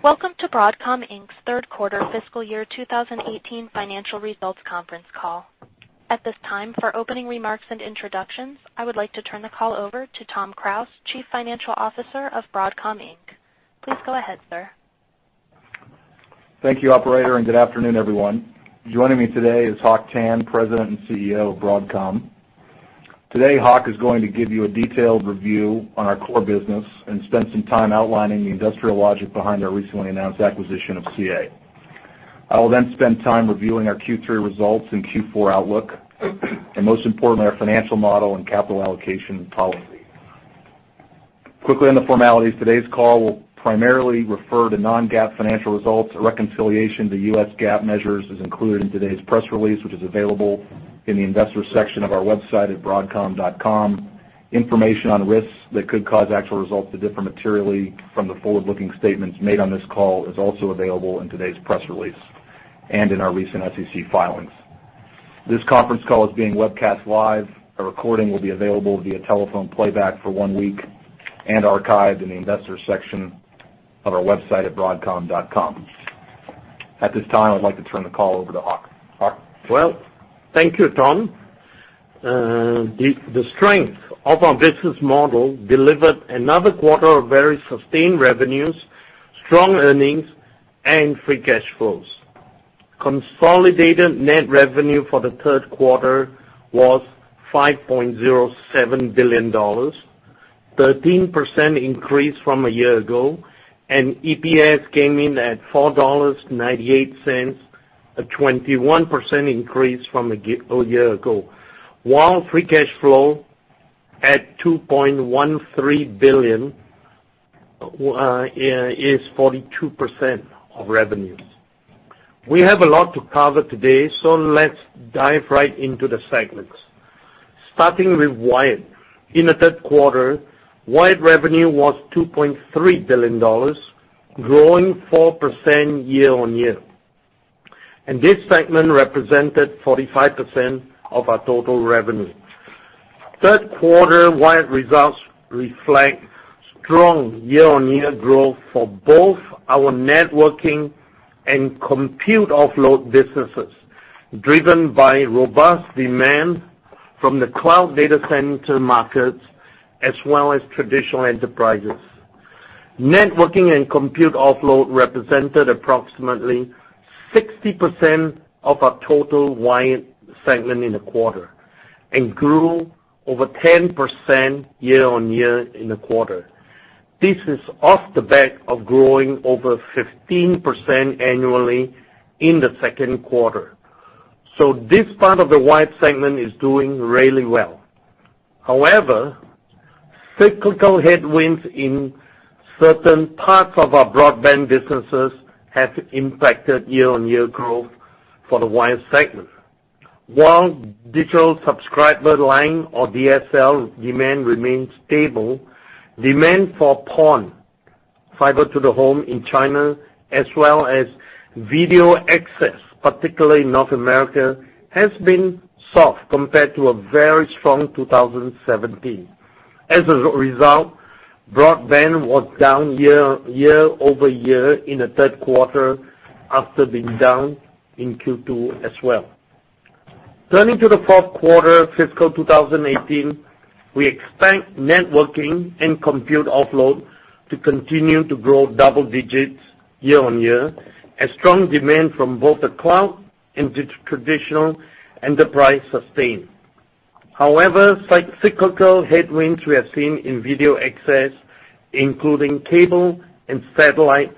Welcome to Broadcom Inc.'s third quarter fiscal year 2018 financial results conference call. At this time, for opening remarks and introductions, I would like to turn the call over to Tom Krause, Chief Financial Officer of Broadcom Inc. Please go ahead, sir. Thank you, operator, and good afternoon, everyone. Joining me today is Hock Tan, President and CEO of Broadcom. Today, Hock is going to give you a detailed review on our core business and spend some time outlining the industrial logic behind our recently announced acquisition of CA. I will spend time reviewing our Q3 results and Q4 outlook, and most importantly, our financial model and capital allocation policy. Quickly on the formalities, today's call will primarily refer to non-GAAP financial results. A reconciliation to US GAAP measures is included in today's press release, which is available in the investors section of our website at broadcom.com. Information on risks that could cause actual results to differ materially from the forward-looking statements made on this call is also available in today's press release and in our recent SEC filings. This conference call is being webcast live. A recording will be available via telephone playback for one week and archived in the investors section of our website at broadcom.com. At this time, I would like to turn the call over to Hock. Hock? Well, thank you, Tom. The strength of our business model delivered another quarter of very sustained revenues, strong earnings, and free cash flows. Consolidated net revenue for the third quarter was $5.07 billion, 13% increase from a year ago. EPS came in at $4.98, a 21% increase from a year ago. While free cash flow at $2.13 billion is 42% of revenues. We have a lot to cover today, let's dive right into the segments. Starting with Wired. In the third quarter, Wired revenue was $2.3 billion, growing 4% year-on-year. This segment represented 45% of our total revenue. Third quarter wired results reflect strong year-on-year growth for both our networking and compute offload businesses, driven by robust demand from the cloud data center markets, as well as traditional enterprises. Networking and compute offload represented approximately 60% of our total wired segment in the quarter and grew over 10% year-over-year in the quarter. This is off the back of growing over 15% annually in the second quarter. This part of the wired segment is doing really well. However, cyclical headwinds in certain parts of our broadband businesses have impacted year-over-year growth for the wired segment. While digital subscriber line, or DSL demand remains stable, demand for PON, fiber to the home in China, as well as video access, particularly in North America, has been soft compared to a very strong 2017. As a result, broadband was down year-over-year in the third quarter after being down in Q2 as well. Turning to the fourth quarter fiscal 2018, we expect networking and compute offload to continue to grow double digits year-over-year as strong demand from both the cloud and traditional enterprise sustain. However, cyclical headwinds we have seen in video access, including cable and satellite,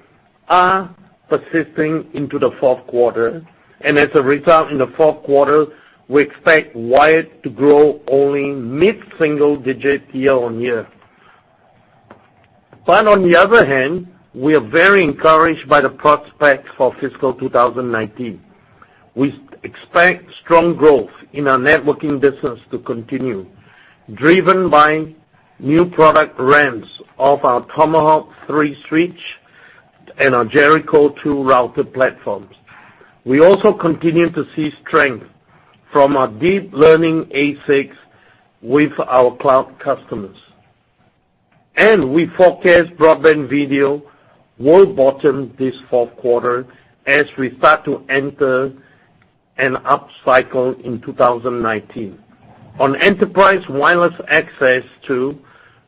are persisting into the fourth quarter. As a result, in the fourth quarter, we expect Wired to grow only mid-single digit year-over-year. On the other hand, we are very encouraged by the prospect for fiscal 2019. We expect strong growth in our networking business to continue, driven by new product ramps of our Tomahawk 3 switch and our Jericho 2 router platforms. We also continue to see strength from our deep learning ASICs with our cloud customers. We forecast broadband video will bottom this fourth quarter as we start to enter an upcycle in 2019. On enterprise wireless access, too,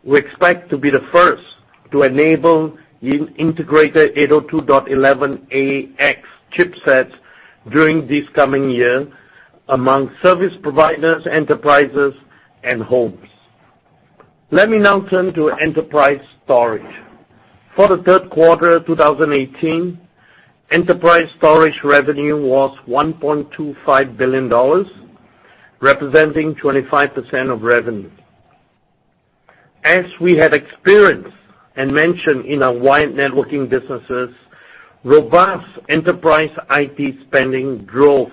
we expect to be the first to enable integrated 802.11ax chipsets during this coming year among service providers, enterprises, and homes. Let me now turn to Enterprise Storage. For the third quarter 2018, Enterprise Storage revenue was $1.25 billion, representing 25% of revenue. As we had experienced and mentioned in our wired networking businesses, robust enterprise IT spending drove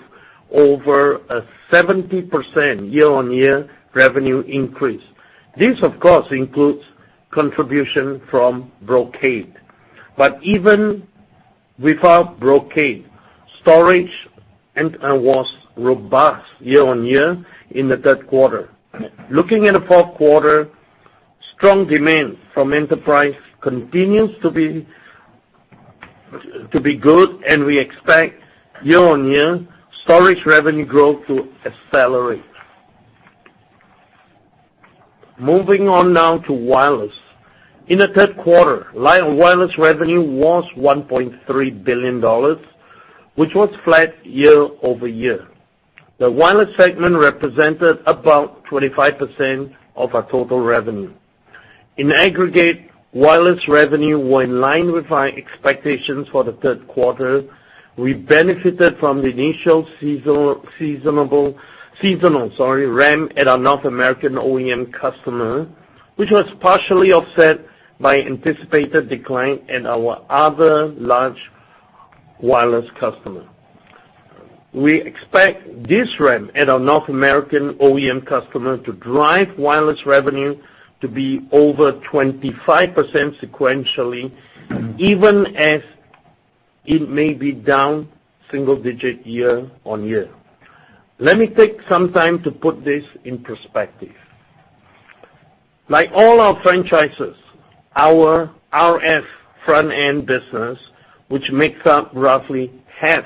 over a 70% year-over-year revenue increase. This, of course, includes contribution from Brocade, but even without Brocade, storage was robust year-over-year in the third quarter. Looking at the fourth quarter, strong demand from enterprise continues to be good. We expect year-over-year storage revenue growth to accelerate. Moving on now to wireless. In the third quarter, wireless revenue was $1.3 billion, which was flat year-over-year. The wireless segment represented about 25% of our total revenue. In aggregate, wireless revenue were in line with our expectations for the third quarter. We benefited from the initial seasonal ramp at our North American OEM customer, which was partially offset by anticipated decline in our other large wireless customer. We expect this ramp at our North American OEM customer to drive wireless revenue to be over 25% sequentially, even as it may be down single digit year-over-year. Let me take some time to put this in perspective. Like all our franchises, our RF frontend business, which makes up roughly half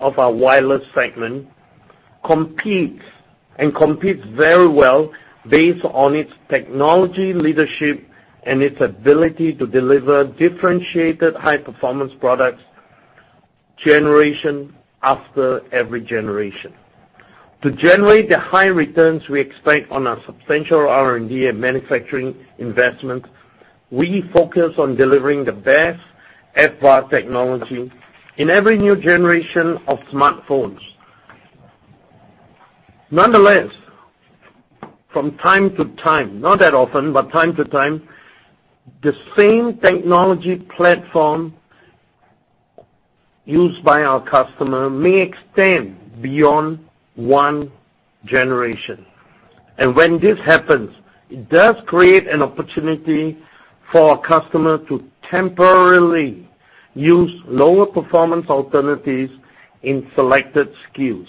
of our wireless segment, competes, and competes very well based on its technology, leadership, and its ability to deliver differentiated high performance products generation after every generation. To generate the high returns we expect on our substantial R&D and manufacturing investments, we focus on delivering the best FBAR technology in every new generation of smartphones. Nonetheless, from time to time, not that often, but time to time, the same technology platform used by our customer may extend beyond one generation. When this happens, it does create an opportunity for our customer to temporarily use lower performance alternatives in selected SKUs.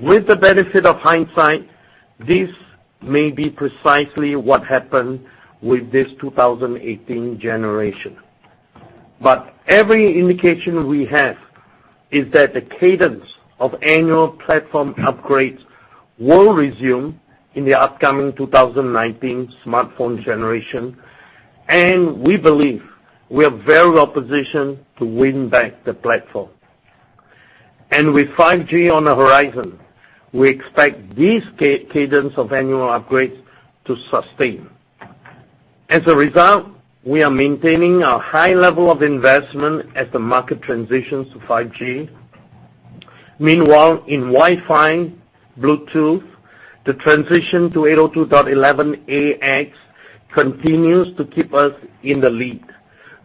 With the benefit of hindsight, this may be precisely what happened with this 2018 generation. Every indication we have is that the cadence of annual platform upgrades will resume in the upcoming 2019 smartphone generation, and we believe we are very well positioned to win back the platform. With 5G on the horizon, we expect this cadence of annual upgrades to sustain. As a result, we are maintaining our high level of investment as the market transitions to 5G. Meanwhile, in Wi-Fi, Bluetooth, the transition to 802.11ax continues to keep us in the lead.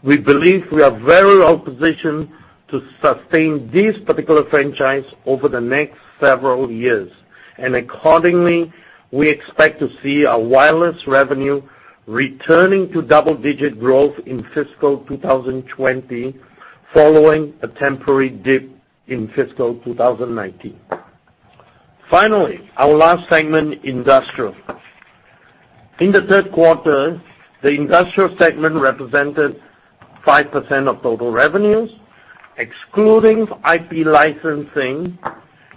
We believe we are very well positioned to sustain this particular franchise over the next several years. Accordingly, we expect to see our wireless revenue returning to double-digit growth in fiscal 2020, following a temporary dip in fiscal 2019. Finally, our last segment, industrial. In the third quarter, the industrial segment represented 5% of total revenues. Excluding IP licensing,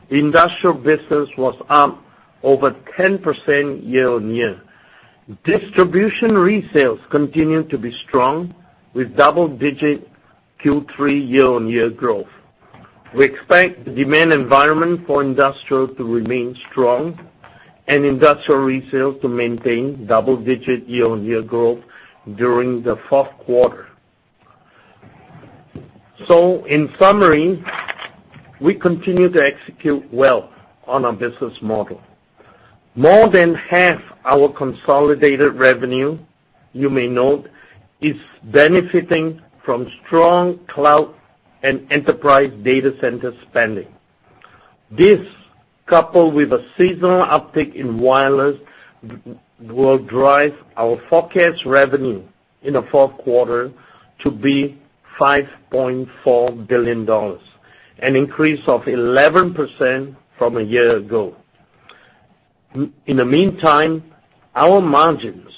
the industrial business was up over 10% year-on-year. Distribution resales continued to be strong with double-digit Q3 year-on-year growth. We expect the demand environment for industrial to remain strong and industrial resales to maintain double-digit year-on-year growth during the fourth quarter. In summary, we continue to execute well on our business model. More than half our consolidated revenue, you may note, is benefiting from strong cloud and enterprise data center spending. This, coupled with a seasonal uptick in wireless, will drive our forecast revenue in the fourth quarter to be $5.4 billion, an increase of 11% from a year ago. In the meantime, our margins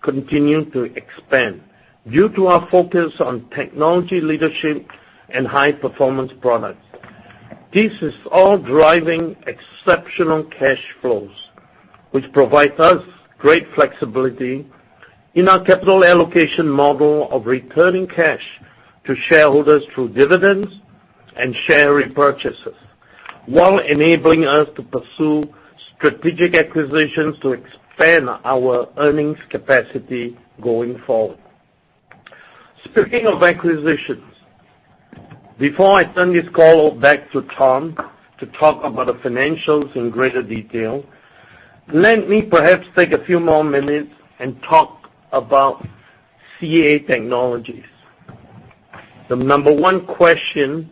continue to expand due to our focus on technology leadership and high performance products. This is all driving exceptional cash flows, which provides us great flexibility in our capital allocation model of returning cash to shareholders through dividends and share repurchases, while enabling us to pursue strategic acquisitions to expand our earnings capacity going forward. Speaking of acquisitions, before I turn this call back to Tom to talk about the financials in greater detail, let me perhaps take a few more minutes and talk about CA Technologies. The number one question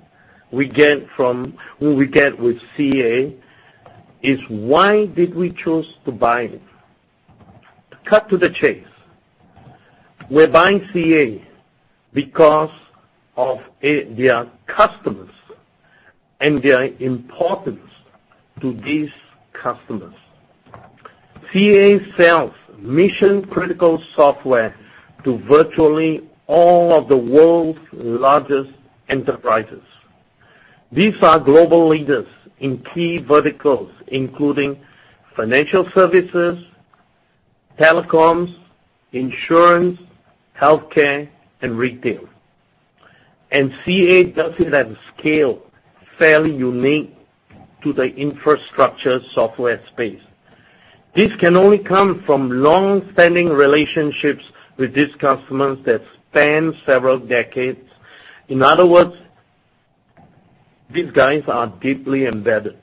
we get with CA is why did we choose to buy it? Cut to the chase. We're buying CA because of their customers and their importance to these customers. CA sells mission-critical software to virtually all of the world's largest enterprises. These are global leaders in key verticals, including financial services, telecoms, insurance, healthcare, and retail. CA does it at a scale fairly unique to the infrastructure software space. This can only come from long-standing relationships with these customers that span several decades. In other words, these guys are deeply embedded.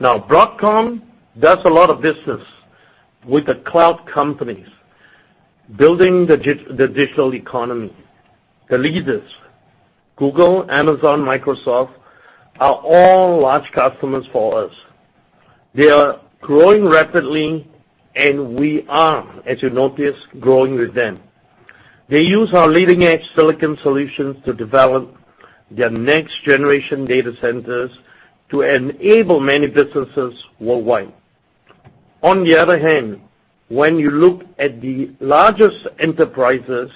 Broadcom does a lot of business with the cloud companies building the digital economy. The leaders, Google, Amazon, Microsoft, are all large customers for us. They are growing rapidly, and we are, as you notice, growing with them. They use our leading-edge silicon solutions to develop their next-generation data centers to enable many businesses worldwide. On the other hand, when you look at the largest enterprises,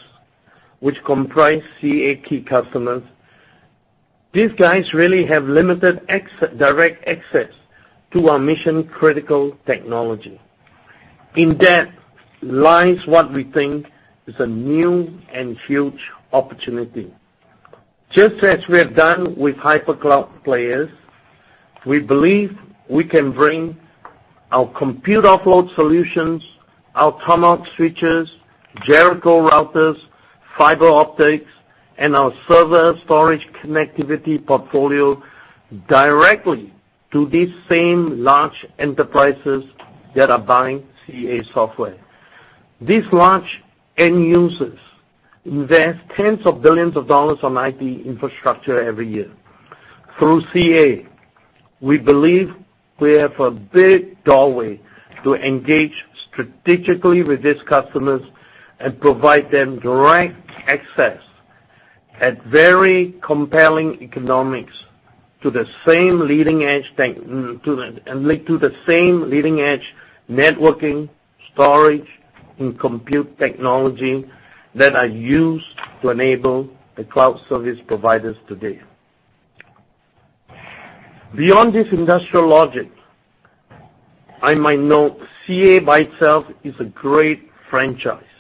which comprise CA key customers, these guys really have limited direct access to our mission-critical technology. In that lies what we think is a new and huge opportunity. Just as we have done with hyper-cloud players, we believe we can bring our compute offload solutions, our Tomahawk switches, Jericho routers, fiber optics, and our server storage connectivity portfolio directly to these same large enterprises that are buying CA software. These large end users invest tens of billions of dollars on IT infrastructure every year. Through CA, we believe we have a big doorway to engage strategically with these customers and provide them direct access at very compelling economics to the same leading-edge networking, storage, and compute technology that are used to enable the cloud service providers today. Beyond this industrial logic, I might note CA by itself is a great franchise.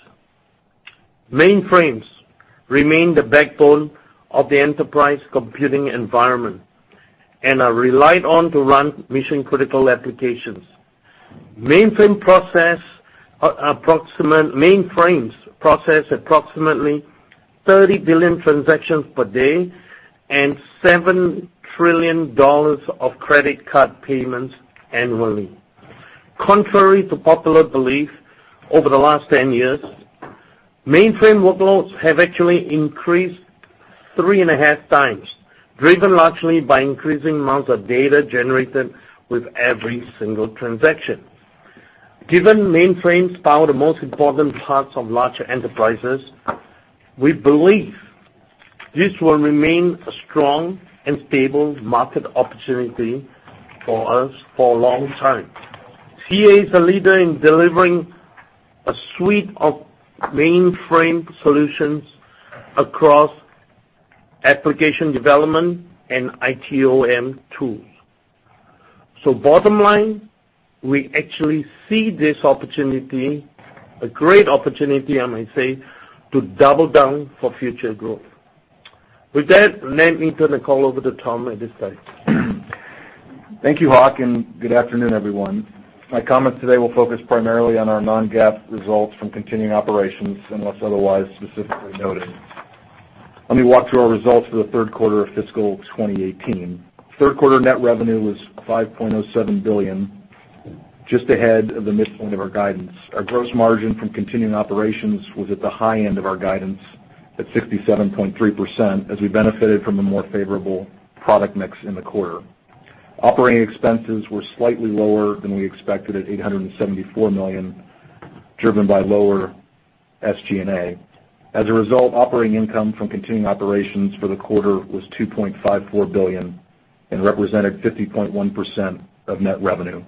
Mainframes remain the backbone of the enterprise computing environment and are relied on to run mission-critical applications. Mainframes process approximately 30 billion transactions per day and $7 trillion of credit card payments annually. Contrary to popular belief, over the last 10 years, mainframe workloads have actually increased 3.5 times, driven largely by increasing amounts of data generated with every single transaction. Given mainframes power the most important parts of larger enterprises, we believe this will remain a strong and stable market opportunity for us for a long time. CA is a leader in delivering a suite of mainframe solutions across application development and ITOM tools. Bottom line, we actually see this opportunity, a great opportunity, I might say, to double down for future growth. With that, let me turn the call over to Tom at this time. Thank you, Hock, and good afternoon, everyone. My comments today will focus primarily on our non-GAAP results from continuing operations, unless otherwise specifically noted. Let me walk through our results for the third quarter of fiscal 2018. Third quarter net revenue was $5.07 billion, just ahead of the midpoint of our guidance. Our gross margin from continuing operations was at the high end of our guidance at 67.3% as we benefited from a more favorable product mix in the quarter. Operating expenses were slightly lower than we expected at $874 million, driven by lower SG&A. As a result, operating income from continuing operations for the quarter was $2.54 billion and represented 50.1% of net revenue.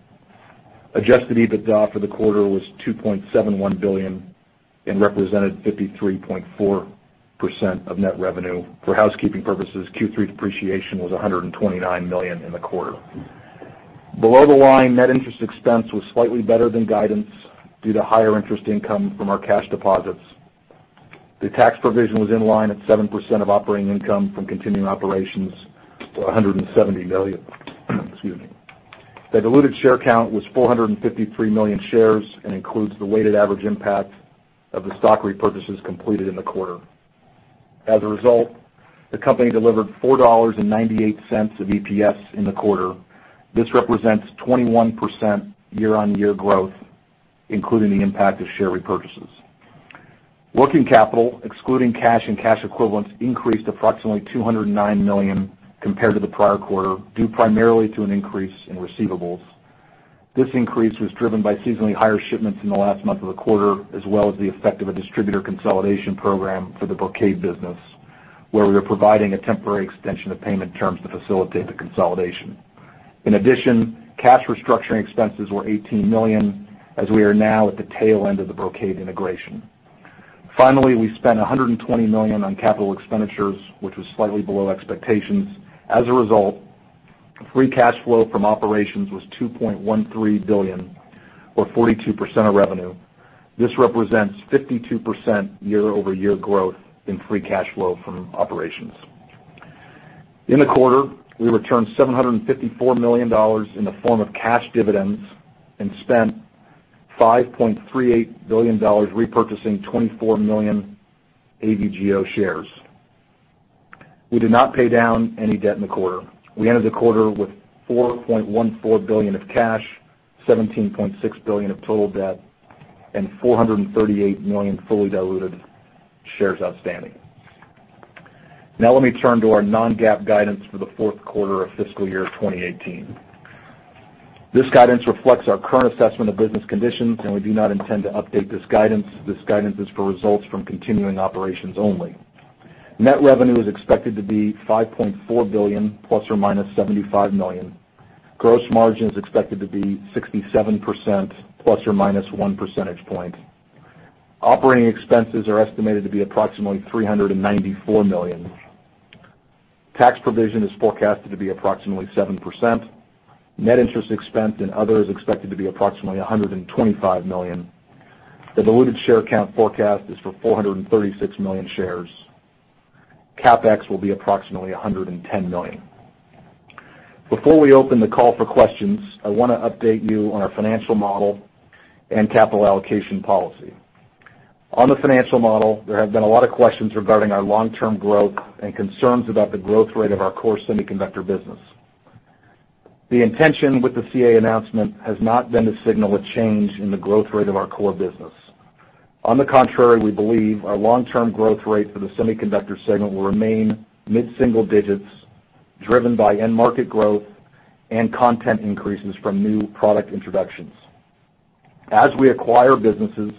Adjusted EBITDA for the quarter was $2.71 billion and represented 53.4% of net revenue. For housekeeping purposes, Q3 depreciation was $129 million in the quarter. Below the line, net interest expense was slightly better than guidance due to higher interest income from our cash deposits. The tax provision was in line at 7% of operating income from continuing operations, so $170 million. Excuse me. The diluted share count was 453 million shares and includes the weighted average impact of the stock repurchases completed in the quarter. As a result, the company delivered $4.98 of EPS in the quarter. This represents 21% year-on-year growth, including the impact of share repurchases. Working capital, excluding cash and cash equivalents, increased approximately $209 million compared to the prior quarter, due primarily to an increase in receivables. This increase was driven by seasonally higher shipments in the last month of the quarter, as well as the effect of a distributor consolidation program for the Brocade business, where we are providing a temporary extension of payment terms to facilitate the consolidation. In addition, cash restructuring expenses were $18 million, as we are now at the tail end of the Brocade integration. Finally, we spent $120 million on capital expenditures, which was slightly below expectations. As a result, free cash flow from operations was $2.13 billion, or 42% of revenue. This represents 52% year-over-year growth in free cash flow from operations. In the quarter, we returned $754 million in the form of cash dividends and spent $5.38 billion repurchasing 24 million AVGO shares. We did not pay down any debt in the quarter. We ended the quarter with $4.14 billion of cash, $17.6 billion of total debt, and 438 million fully diluted shares outstanding. Now let me turn to our non-GAAP guidance for the fourth quarter of fiscal year 2018. This guidance reflects our current assessment of business conditions, and we do not intend to update this guidance. This guidance is for results from continuing operations only. Net revenue is expected to be $5.4 billion, ±$75 million. Gross margin is expected to be 67%, plus or minus one percentage point. Operating expenses are estimated to be approximately [$874 million]. Tax provision is forecasted to be approximately 7%. Net interest expense and other is expected to be approximately $125 million. The diluted share count forecast is for 436 million shares. CapEx will be approximately $110 million. Before we open the call for questions, I want to update you on our financial model and capital allocation policy. On the financial model, there have been a lot of questions regarding our long-term growth and concerns about the growth rate of our core semiconductor business. The intention with the CA announcement has not been to signal a change in the growth rate of our core business. On the contrary, we believe our long-term growth rate for the semiconductor segment will remain mid-single digits, driven by end market growth and content increases from new product introductions. As we acquire businesses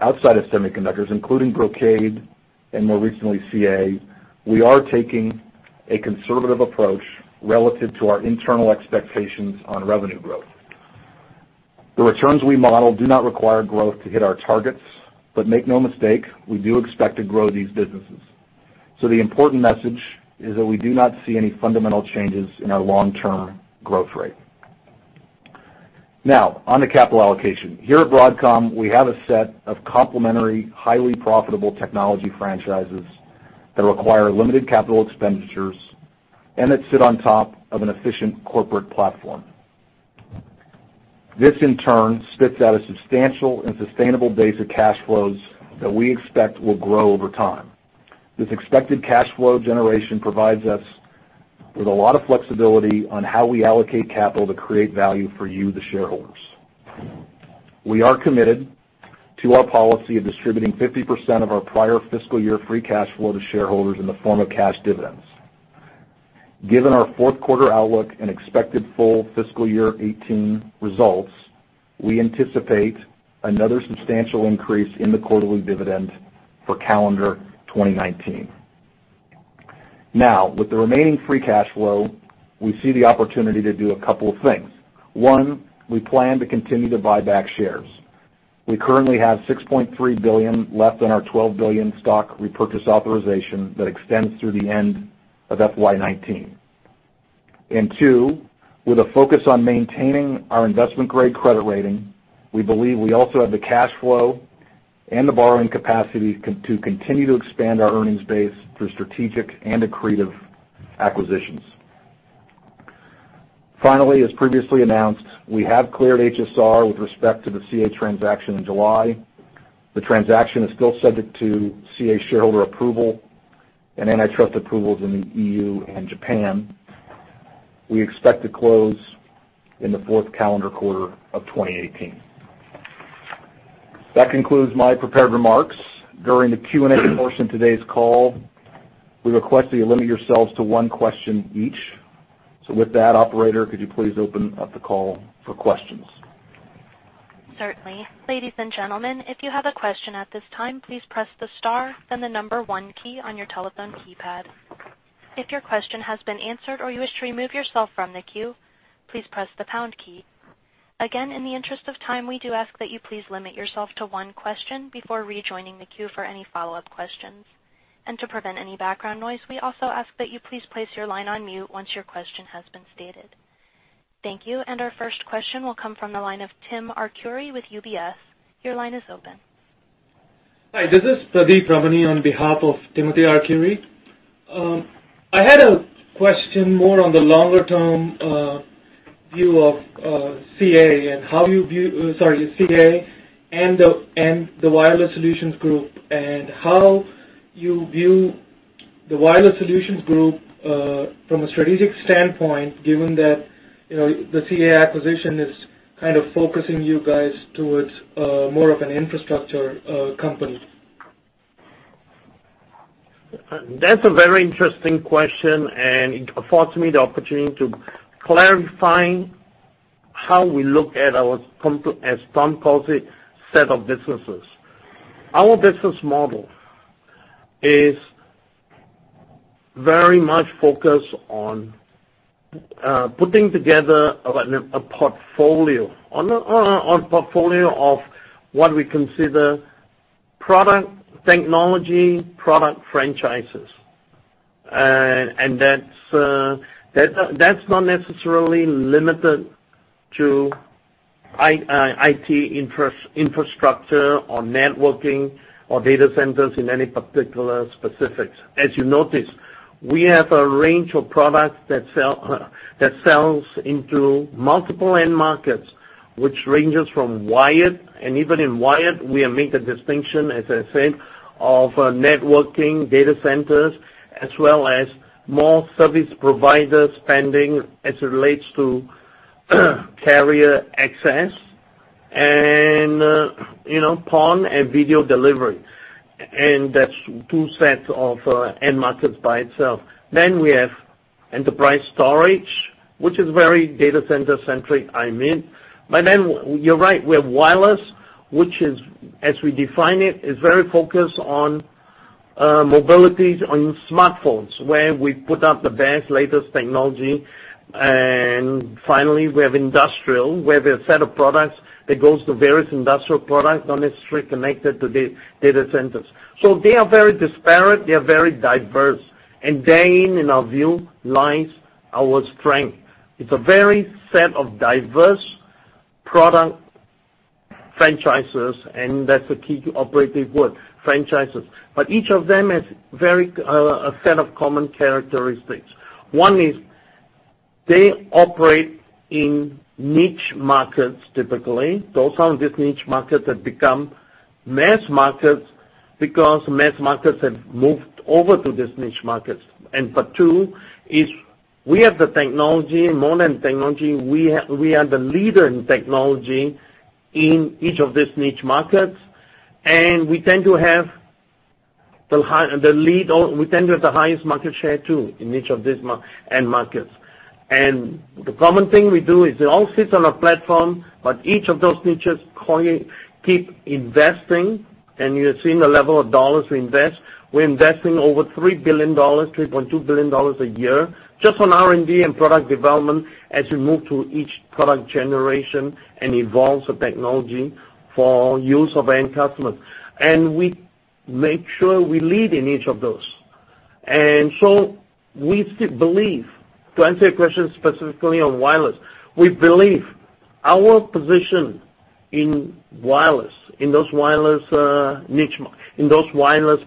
outside of semiconductors, including Brocade and more recently, CA, we are taking a conservative approach relative to our internal expectations on revenue growth. The returns we model do not require growth to hit our targets, but make no mistake, we do expect to grow these businesses. The important message is that we do not see any fundamental changes in our long-term growth rate. Now, on to capital allocation. Here at Broadcom, we have a set of complementary, highly profitable technology franchises that require limited capital expenditures and that sit on top of an efficient corporate platform. This, in turn, spits out a substantial and sustainable base of cash flows that we expect will grow over time. This expected cash flow generation provides us with a lot of flexibility on how we allocate capital to create value for you, the shareholders. We are committed to our policy of distributing 50% of our prior fiscal year free cash flow to shareholders in the form of cash dividends. Given our fourth quarter outlook and expected full fiscal year 2018 results, we anticipate another substantial increase in the quarterly dividend for calendar 2019. With the remaining free cash flow, we see the opportunity to do a couple of things. One, we plan to continue to buy back shares. We currently have $6.3 billion left on our $12 billion stock repurchase authorization that extends through the end of FY 2019. Two, with a focus on maintaining our investment-grade credit rating, we believe we also have the cash flow and the borrowing capacity to continue to expand our earnings base through strategic and accretive acquisitions. Finally, as previously announced, we have cleared HSR with respect to the CA transaction in July. The transaction is still subject to CA shareholder approval and antitrust approvals in the EU and Japan. We expect to close in the fourth calendar quarter of 2018. That concludes my prepared remarks. During the Q&A portion of today's call, we request that you limit yourselves to one question each. With that, operator, could you please open up the call for questions? Certainly. Ladies and gentlemen, if you have a question at this time, please press the star, then the number one key on your telephone keypad. If your question has been answered or you wish to remove yourself from the queue, please press the pound key. Again, in the interest of time, we do ask that you please limit yourself to one question before rejoining the queue for any follow-up questions. To prevent any background noise, we also ask that you please place your line on mute once your question has been stated. Thank you. Our first question will come from the line of Timothy Arcuri with UBS. Your line is open. Hi, this is Pradeep Ramani on behalf of Timothy Arcuri. I had a question more on the longer-term view of CA and the Wireless Solutions Group and how you view The Wireless Solutions Group, from a strategic standpoint, given that the CA acquisition is kind of focusing you guys towards more of an infrastructure company. That's a very interesting question, it affords me the opportunity to clarify how we look at our, as Tom calls it, set of businesses. Our business model is very much focused on putting together a portfolio of what we consider technology product franchises. That's not necessarily limited to IT infrastructure or networking or data centers in any particular specifics. As you notice, we have a range of products that sells into multiple end markets, which ranges from wired, and even in wired, we make a distinction, as I said, of networking, data centers, as well as more service providers spending as it relates to carrier access and video delivery. That's two sets of end markets by itself. We have enterprise storage, which is very data center centric, I mean. You're right, we have wireless, which as we define it, is very focused on mobility on smartphones, where we put out the best, latest technology. Finally, we have industrial, where there are set of products that goes to various industrial products, not necessarily connected to data centers. They are very disparate, they are very diverse, and therein, in our view, lies our strength. It's a very set of diverse product franchises, and that's the key to operative word, franchises. Each of them has a set of common characteristics. One is they operate in niche markets, typically. Those are the niche markets that become mass markets because mass markets have moved over to these niche markets. Part two is we have the technology, modern technology. We are the leader in technology in each of these niche markets, we tend to have the highest market share too, in each of these end markets. The common thing we do is they all sit on a platform, but each of those niches keep investing, and you have seen the level of dollars we invest. We are investing over $3 billion, $3.2 billion a year, just on R&D and product development as we move to each product generation and evolves the technology for use of end customer. We make sure we lead in each of those. We still believe, to answer your question specifically on wireless, we believe our position in those wireless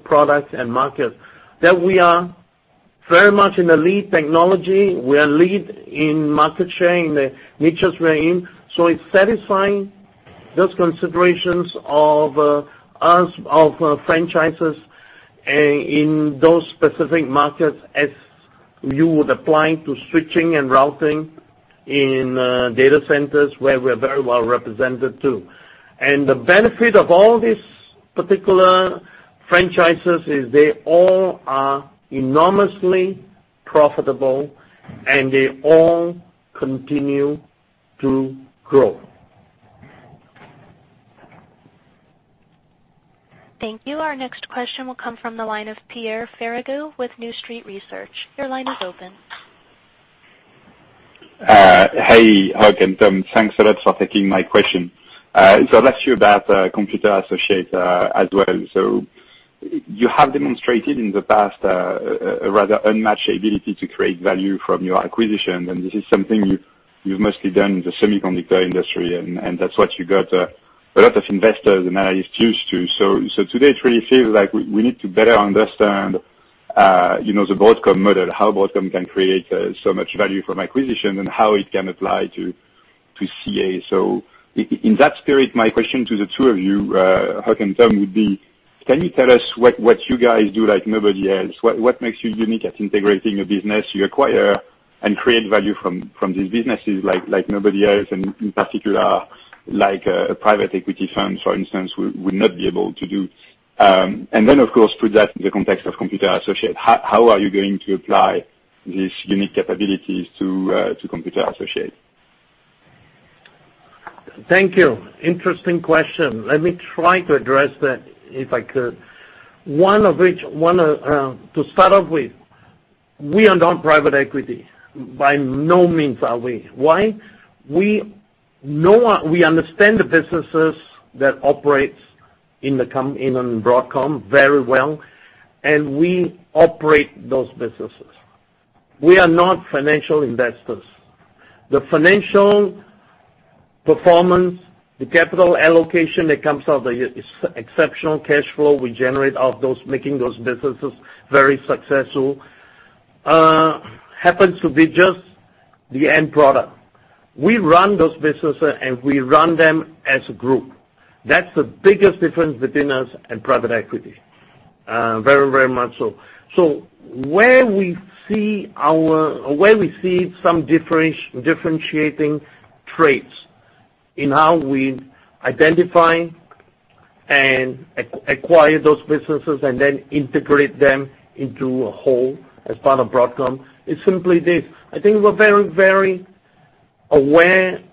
products and markets, that we are very much in the lead technology. We are lead in market share in the niches we are in. It is satisfying those considerations of franchises in those specific markets as you would apply to switching and routing in data centers where we are very well represented, too. The benefit of all these particular franchises is they all are enormously profitable, and they all continue to grow. Thank you. Our next question will come from the line of Pierre Ferragu with New Street Research. Your line is open. Hey, Hock and Tom. Thanks a lot for taking my question. Let us hear about Computer Associates as well. You have demonstrated in the past a rather unmatched ability to create value from your acquisitions, and this is something you have mostly done in the semiconductor industry, and that is what you got a lot of investors and analysts used to. Today, it really feels like we need to better understand the Broadcom model, how Broadcom can create so much value from acquisition and how it can apply to CA. In that spirit, my question to the two of you, Hock and Tom, would be, can you tell us what you guys do like nobody else? What makes you unique at integrating a business you acquire and create value from these businesses like nobody else, and in particular, like a private equity fund, for instance, would not be able to do? Then, of course, put that in the context of CA Technologies. How are you going to apply these unique capabilities to CA Technologies? Thank you. Interesting question. Let me try to address that if I could. To start off with, we are not private equity. By no means are we. Why? We understand the businesses that operates in Broadcom very well, and we operate those businesses. We are not financial investors. The financial performance, the capital allocation that comes out, the exceptional cash flow we generate out those, making those businesses very successful happens to be just the end product. We run those businesses, and we run them as a group. That's the biggest difference between us and private equity. Very much so. Where we see some differentiating traits in how we identify and acquire those businesses and then integrate them into a whole as part of Broadcom, it's simply this: I think we're very aware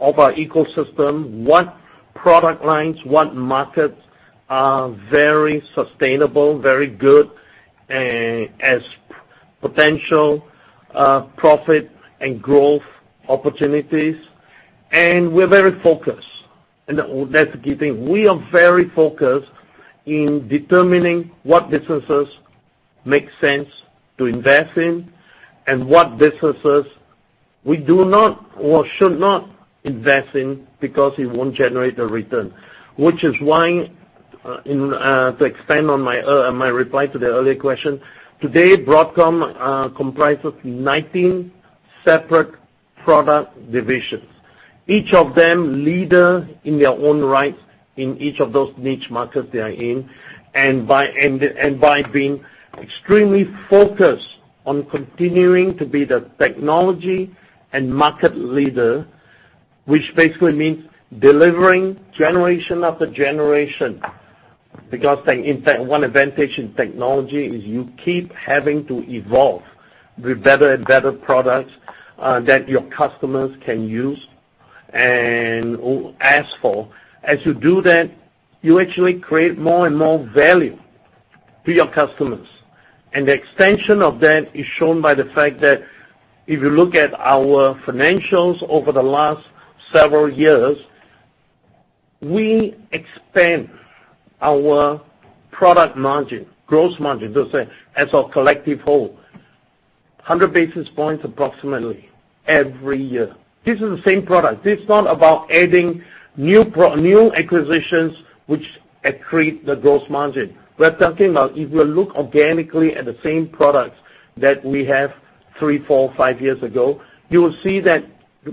of our ecosystem, what product lines, what markets are very sustainable, very good as potential profit and growth opportunities. We're very focused, and that's the key thing. We are very focused on determining what businesses make sense to invest in and what businesses we do not or should not invest in because it won't generate a return. Which is why, to expand on my reply to the earlier question, today Broadcom comprises 19 separate product divisions, each of them leader in their own right in each of those niche markets they are in. By being extremely focused on continuing to be the technology and market leader, which basically means delivering generation after generation. Because in fact, one advantage in technology is you keep having to evolve with better and better products that your customers can use and ask for. As you do that, you actually create more and more value to your customers. The extension of that is shown by the fact that if you look at our financials over the last several years, we expand our product margin, gross margin, as a collective whole 100 basis points approximately every year. This is the same product. This is not about adding new acquisitions which accrete the gross margin. We're talking about if you look organically at the same products that we have three, four, five years ago, you will see that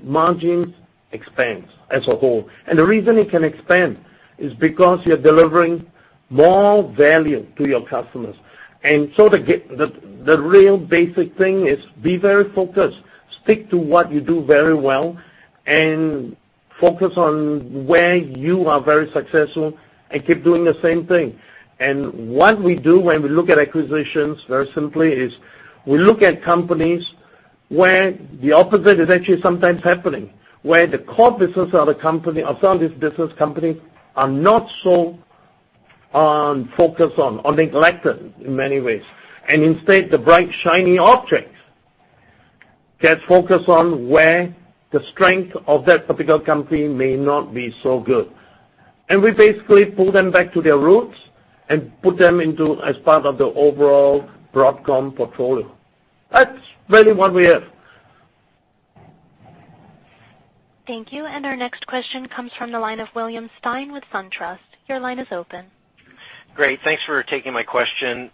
margins expand as a whole. The reason it can expand is because you're delivering more value to your customers. The real basic thing is be very focused, stick to what you do very well and focus on where you are very successful and keep doing the same thing. What we do when we look at acquisitions, very simply, is we look at companies where the opposite is actually sometimes happening, where the core business of the company or some of these business companies are not so focused on or neglected in many ways. Instead, the bright, shiny objects get focused on where the strength of that particular company may not be so good. We basically pull them back to their roots and put them into as part of the overall Broadcom portfolio. That's really what we have. Thank you. Our next question comes from the line of William Stein with SunTrust. Your line is open. Great. Thanks for taking my question.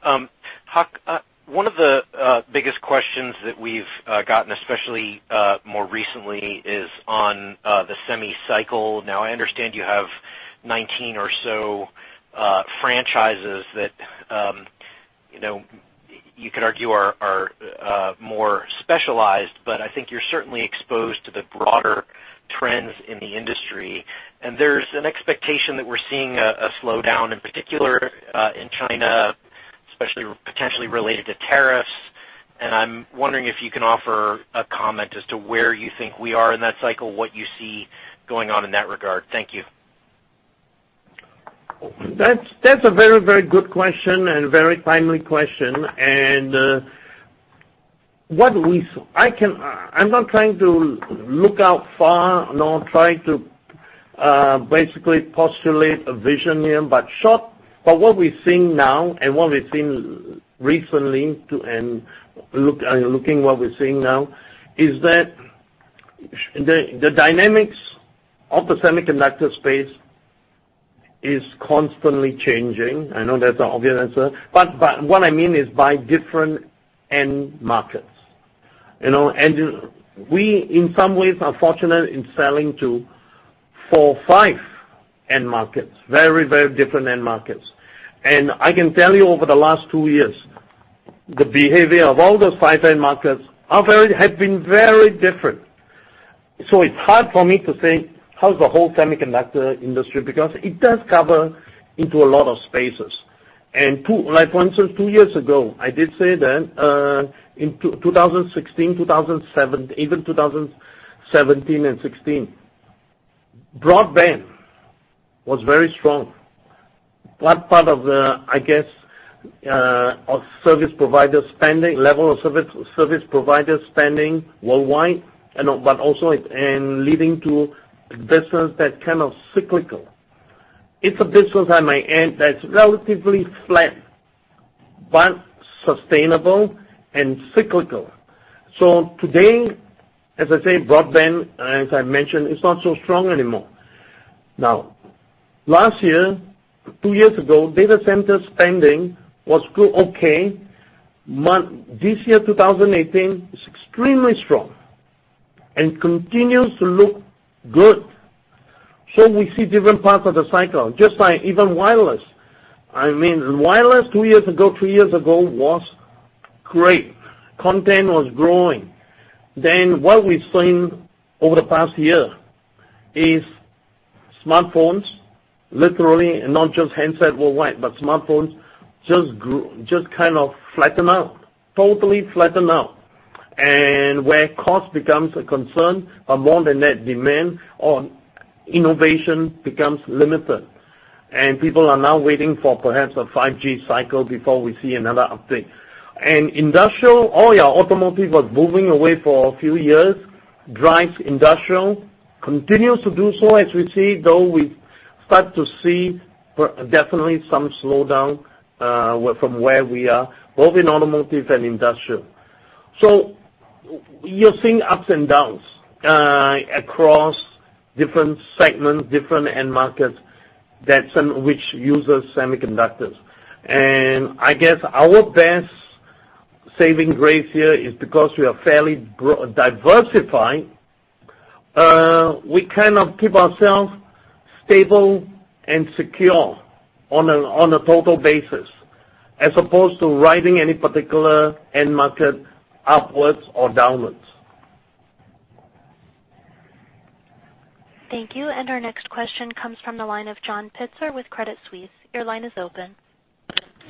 Hock, one of the biggest questions that we've gotten, especially more recently, is on the semi cycle. Now, I understand you have 19 or so franchises that you could argue are more specialized, but I think you're certainly exposed to the broader trends in the industry. There's an expectation that we're seeing a slowdown, in particular in China, especially potentially related to tariffs. I'm wondering if you can offer a comment as to where you think we are in that cycle, what you see going on in that regard. Thank you. That's a very good question and very timely question. I'm not trying to look out far, nor trying to basically postulate a vision here, but what we're seeing now and what we've seen recently, and looking what we're seeing now, is that the dynamics of the semiconductor space is constantly changing. I know that's an obvious answer, but what I mean is by different end markets. We, in some ways, are fortunate in selling to four or five end markets, very different end markets. I can tell you over the last two years, the behavior of all those five end markets have been very different. It's hard for me to say how's the whole semiconductor industry, because it does cover into a lot of spaces. Two, like one or two years ago, I did say that in 2016, 2017, even 2017 and 2016, broadband was very strong. What part of the, I guess, level of service provider spending worldwide, but also leading to business that kind of cyclical. It's a business on my end that's relatively flat, but sustainable and cyclical. Today, as I say, broadband, as I mentioned, is not so strong anymore. Now, last year, two years ago, data center spending was still okay, but this year, 2018, is extremely strong and continues to look good. We see different parts of the cycle, just like even wireless. Wireless two years ago, three years ago, was great. Content was growing. What we've seen over the past year is smartphones, literally, not just handsets worldwide, but smartphones just kind of flatten out, totally flatten out. Where cost becomes a concern, but more than that, demand on innovation becomes limited, and people are now waiting for perhaps a 5G cycle before we see another update. Industrial, oh, yeah, automotive was moving away for a few years, drives industrial. Continues to do so, as we see, though we start to see definitely some slowdown from where we are, both in automotive and industrial. You're seeing ups and downs across different segments, different end markets that some of which uses semiconductors. I guess our best saving grace here is because we are fairly diversified, we kind of keep ourselves stable and secure on a total basis, as opposed to riding any particular end market upwards or downwards. Thank you. Our next question comes from the line of John Pitzer with Credit Suisse. Your line is open.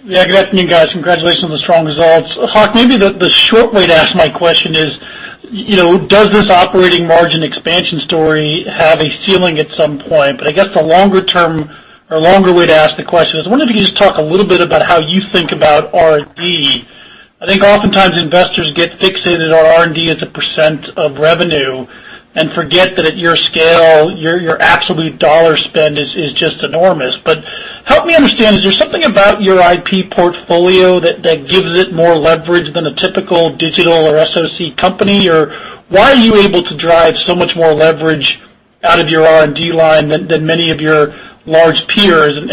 Yeah, good afternoon, guys. Congratulations on the strong results. Hock, maybe the short way to ask my question is, does this operating margin expansion story have a ceiling at some point? I guess the longer term or longer way to ask the question is, I wonder if you could just talk a little bit about how you think about R&D. I think oftentimes investors get fixated on R&D as a % of revenue and forget that at your scale, your absolute dollar spend is just enormous. Help me understand, is there something about your IP portfolio that gives it more leverage than a typical digital or SoC company or why are you able to drive so much more leverage out of your R&D line than many of your large peers? As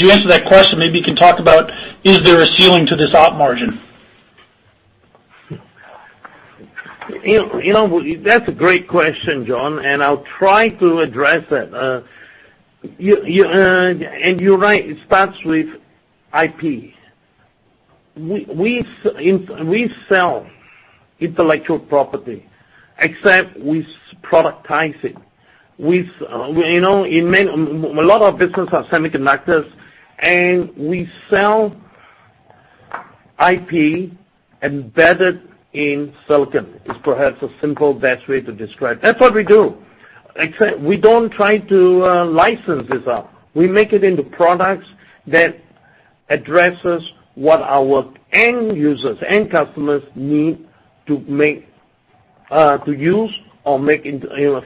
you answer that question, maybe you can talk about, is there a ceiling to this op margin? That's a great question, John, I'll try to address it. You're right, it starts with IP. We sell intellectual property, except we productize it. A lot of our business are semiconductors, and we sell IP embedded in silicon. It's perhaps a simple best way to describe. That's what we do. We don't try to license this out. We make it into products that addresses what our end users, end customers need to use or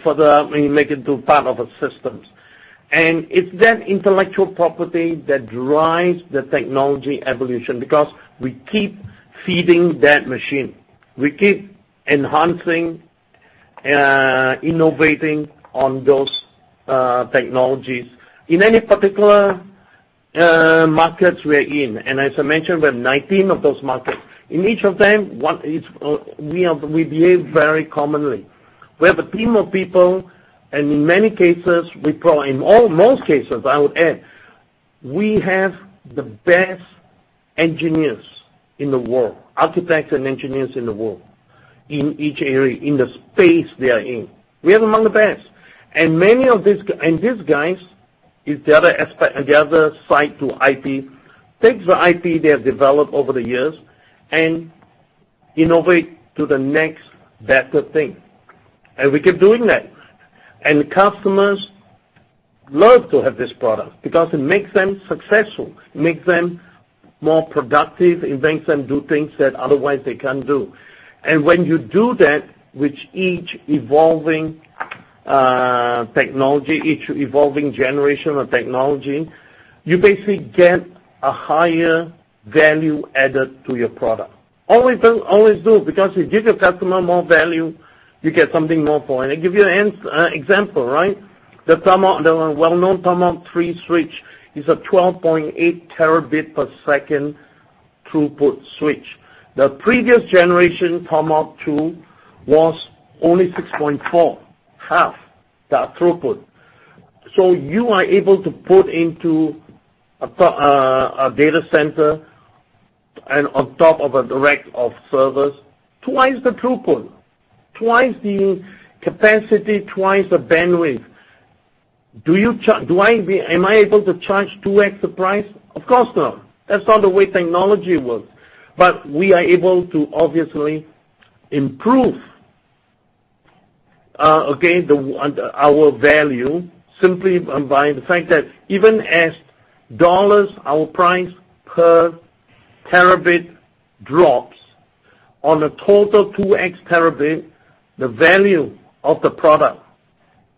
further make it into part of a systems. It's that intellectual property that drives the technology evolution because we keep feeding that machine. We keep enhancing, innovating on those technologies in any particular markets we're in. As I mentioned, we have 19 of those markets. In each of them, we behave very commonly. We have a team of people, and in many cases, we probably in all, most cases, I would add, we have the best engineers in the world, architects and engineers in the world, in each area, in the space they are in. We are among the best. These guys is the other side to IP, takes the IP they have developed over the years and innovate to the next better thing. We keep doing that. Customers love to have this product because it makes them successful, makes them more productive, it makes them do things that otherwise they can't do. When you do that with each evolving technology, each evolving generation of technology, you basically get a higher value added to your product. Always do because you give your customer more value, you get something more for it. I give you an example. The well-known Tomahawk 3 switch is a 12.8 terabit per second throughput switch. The previous generation, Tomahawk 2, was only 6.4, half that throughput. You are able to put into a data center and on top of a rack of servers twice the throughput, twice the capacity, twice the bandwidth. Am I able to charge 2x the price? Of course, no. That's not the way technology works. We are able to obviously improve again, our value simply by the fact that even as dollars, our price per terabit drops on a total 2x terabit, the value of the product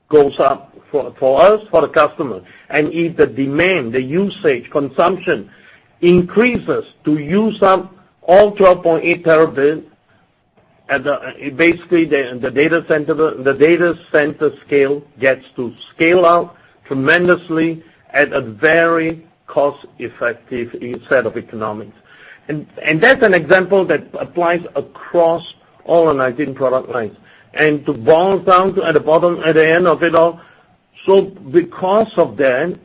goes up for us, for the customer. If the demand, the usage, consumption increases to use up all 12.8 terabit, basically, the data center scale gets to scale out tremendously at a very cost-effective set of economics. That's an example that applies across all our 19 product lines. To boil down to at the bottom, at the end of it all, because of that,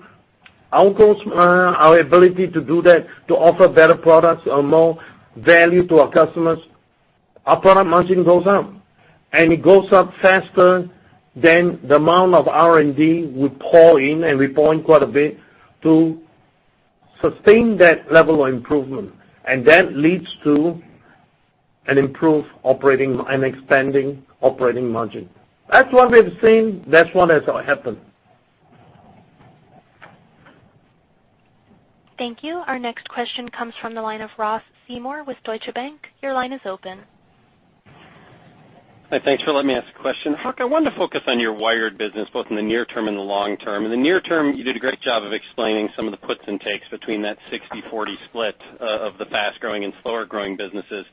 our ability to do that, to offer better products or more value to our customers, our product margin goes up, and it goes up faster than the amount of R&D we pour in, and we pour in quite a bit, to sustain that level of improvement. That leads to an improved operating and expanding operating margin. That's what we've seen. That's what has happened. Thank you. Our next question comes from the line of Ross Seymore with Deutsche Bank. Your line is open. Hi, thanks for letting me ask a question. Hock, I wanted to focus on your wired business, both in the near term and the long term. In the near term, you did a great job of explaining some of the puts and takes between that 60/40 split of the fast-growing and slower-growing businesses.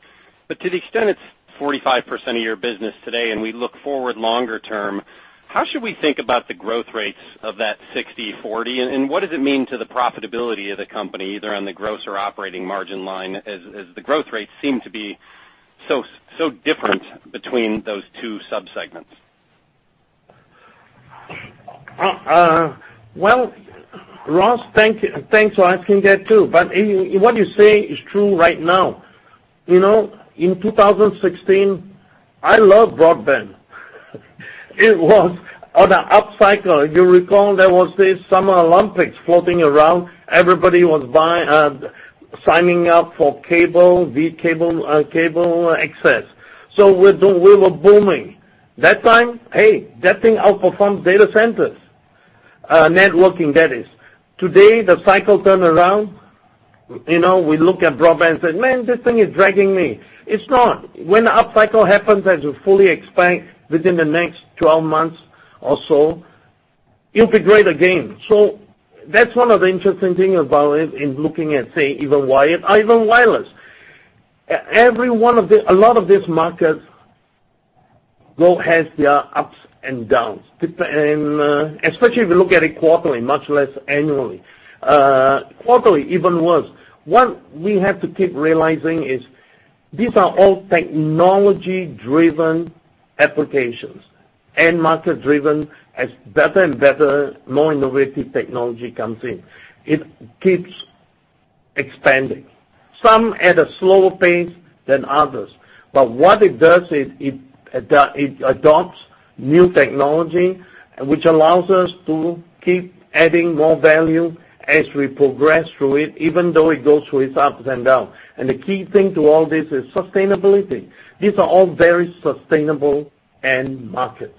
To the extent it's 45% of your business today, and we look forward longer term, how should we think about the growth rates of that 60/40? What does it mean to the profitability of the company, either on the gross or operating margin line, as the growth rates seem to be so different between those two sub-segments? Well, Ross, thanks for asking that too. What you say is true right now. In 2016, I loved broadband. It was on an upcycle. You recall there was this Summer Olympics floating around. Everybody was signing up for cable, digital cable access. We were booming. That time, hey, that thing outperforms data centers. Networking, that is. Today, the cycle turn around. We look at broadband and say, "Man, this thing is dragging me." It's not. When the upcycle happens, as you fully expect within the next 12 months or so, it'll be great again. That's one of the interesting thing about it in looking at, say, even wired, even wireless. A lot of these markets has their ups and downs, especially if you look at it quarterly, much less annually. Quarterly, even worse. What we have to keep realizing is these are all technology-driven applications, end market-driven, as better and better, more innovative technology comes in. It keeps expanding, some at a slower pace than others. What it does is it adopts new technology, which allows us to keep adding more value as we progress through it, even though it goes through its ups and downs. The key thing to all this is sustainability. These are all very sustainable end markets.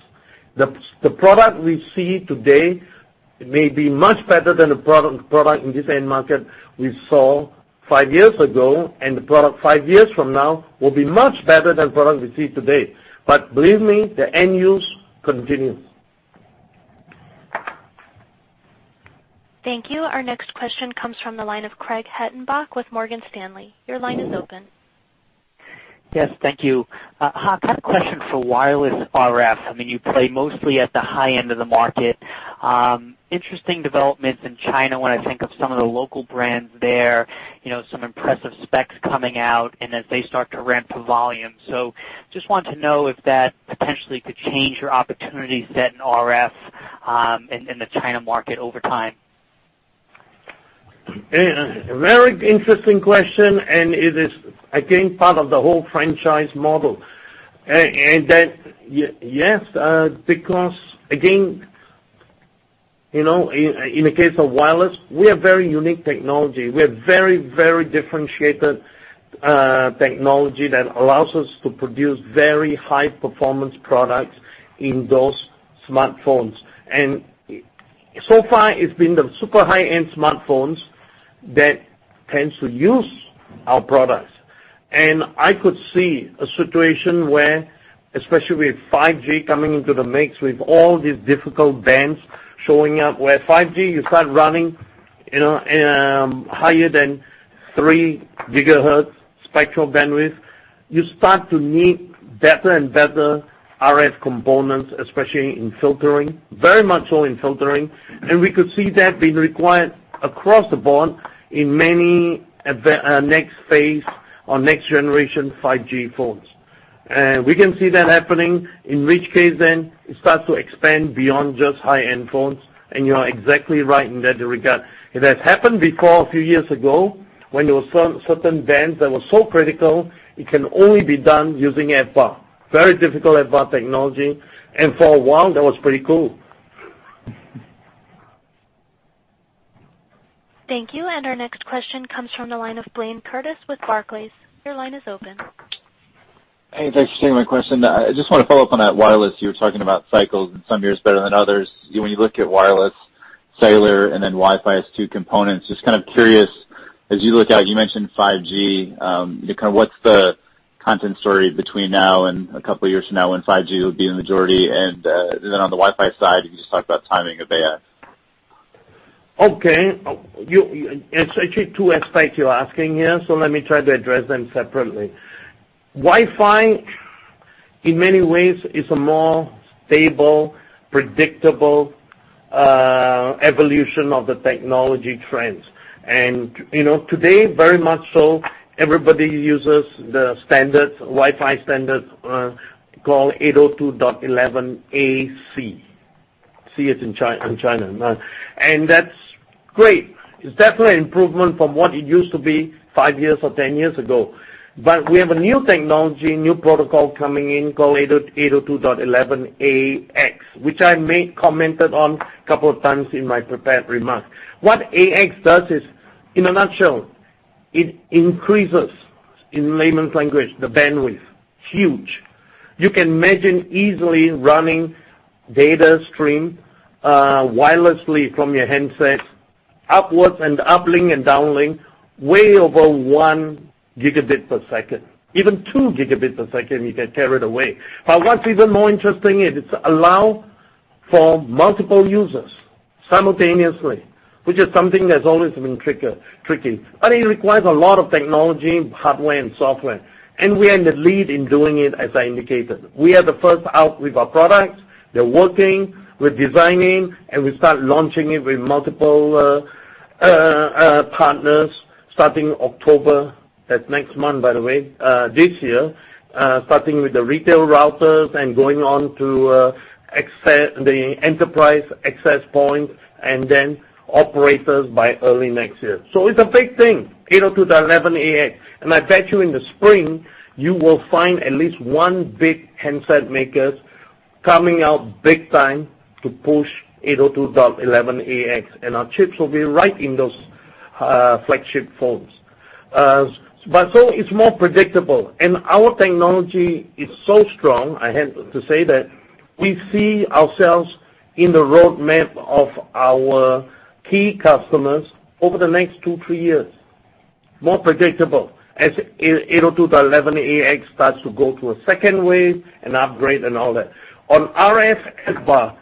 The product we see today may be much better than the product in this end market we saw five years ago, and the product five years from now will be much better than product we see today. Believe me, the end use continues. Thank you. Our next question comes from the line of Craig Hettenbach with Morgan Stanley. Your line is open. Yes, thank you. Hock, I have a question for wireless RF. You play mostly at the high end of the market. Interesting developments in China when I think of some of the local brands there, some impressive specs coming out and as they start to ramp to volume. Just want to know if that potentially could change your opportunity set in RF in the China market over time. A very interesting question, it is, again, part of the whole franchise model. That, yes, because again, in the case of wireless, we have very unique technology. We have very differentiated technology that allows us to produce very high-performance products in those smartphones. So far, it's been the super high-end smartphones that tends to use our products. I could see a situation where, especially with 5G coming into the mix, with all these difficult bands showing up, where 5G, you start running higher than three gigahertz spectral bandwidth, you start to need better and better RF components, especially in filtering, very much so in filtering. We could see that being required across the board in many next phase or next generation 5G phones. We can see that happening, in which case then it starts to expand beyond just high-end phones, and you are exactly right in that regard. It has happened before, a few years ago, when there was certain bands that were so critical, it can only be done using FBAR. Very difficult FBAR technology. For one, that was pretty cool. Thank you. Our next question comes from the line of Blayne Curtis with Barclays. Your line is open. Hey, thanks for taking my question. I just want to follow up on that wireless. You were talking about cycles and some years better than others. When you look at wireless, cellular, and then Wi-Fi as two components, just kind of curious, as you look out, you mentioned 5G, what's the content story between now and a couple of years from now when 5G will be the majority? Then on the Wi-Fi side, you just talked about timing of a Okay. It's actually two aspects you're asking here, let me try to address them separately. Wi-Fi, in many ways, is a more stable, predictable evolution of the technology trends. Today, very much so, everybody uses the Wi-Fi standard called 802.11ac. C as in China. That's great. It's definitely an improvement from what it used to be five years or 10 years ago. We have a new technology, new protocol coming in called 802.11ax, which I commented on a couple of times in my prepared remarks. What ax does is, in a nutshell, it increases, in layman's language, the bandwidth. Huge. You can imagine easily running data stream wirelessly from your handset upwards and uplink and downlink way over one gigabit per second, even two gigabits per second, you can tear it away. What's even more interesting is it allows for multiple users simultaneously, which is something that's always been tricky. It requires a lot of technology, hardware, and software. We are in the lead in doing it, as I indicated. We are the first out with our products. They're working, we're designing, and we start launching it with multiple partners starting October, that's next month by the way, this year. Starting with the retail routers and going on to the enterprise access points, and then operators by early next year. It's a big thing, 802.11ax. I bet you in the spring, you will find at least one big handset maker coming out big time to push 802.11ax, and our chips will be right in those flagship phones. It's more predictable. Our technology is so strong, I have to say that we see ourselves in the roadmap of our key customers over the next two, three years. More predictable as 802.11ax starts to go to a second wave, an upgrade, and all that. On RF FBAR,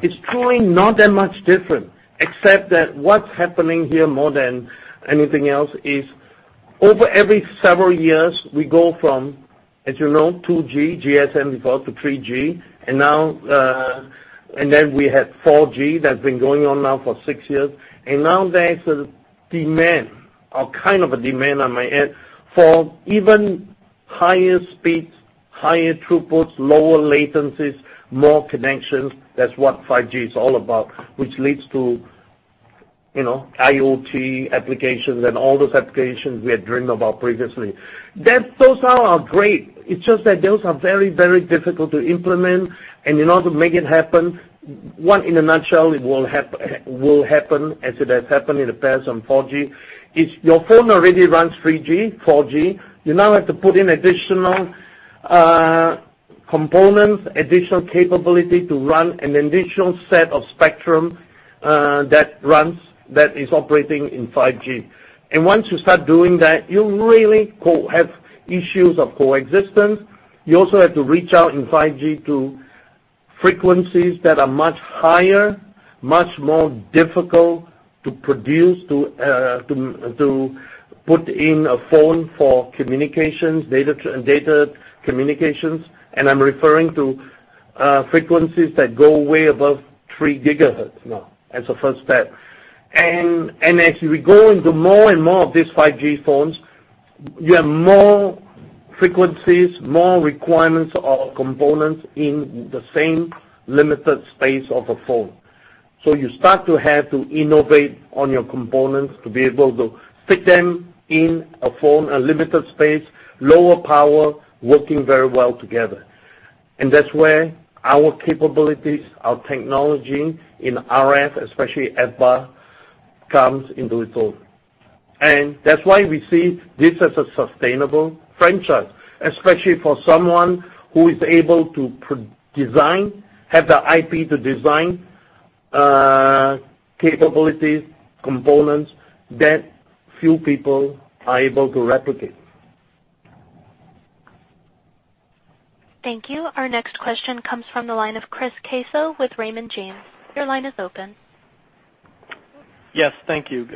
it's truly not that much different, except that what's happening here more than anything else is over every several years, we go from, as you know, 2G, GSM before to 3G, and then we had 4G that's been going on now for six years. Now there is a demand, or kind of a demand I might add, for even higher speeds, higher throughputs, lower latencies, more connections. That's what 5G is all about, which leads to IoT applications and all those applications we had dreamed about previously. Those are great. It's just that those are very, very difficult to implement, and in order to make it happen, one, in a nutshell, it will happen as it has happened in the past on 4G, is your phone already runs 3G, 4G. You now have to put in additional components, additional capability to run an additional set of spectrum that is operating in 5G. Once you start doing that, you really have issues of coexistence. You also have to reach out in 5G to frequencies that are much higher, much more difficult to produce, to put in a phone for data communications. I'm referring to frequencies that go way above 3 gigahertz now, as a first step. As we go into more and more of these 5G phones, you have more frequencies, more requirements or components in the same limited space of a phone. You start to have to innovate on your components to be able to fit them in a phone, a limited space, lower power, working very well together. That's where our capabilities, our technology in RF, especially FBAR, comes into it all. That's why we see this as a sustainable franchise, especially for someone who is able to design, have the IP to design capabilities, components that few people are able to replicate. Thank you. Our next question comes from the line of Chris Caso with Raymond James. Your line is open. Yes. Thank you.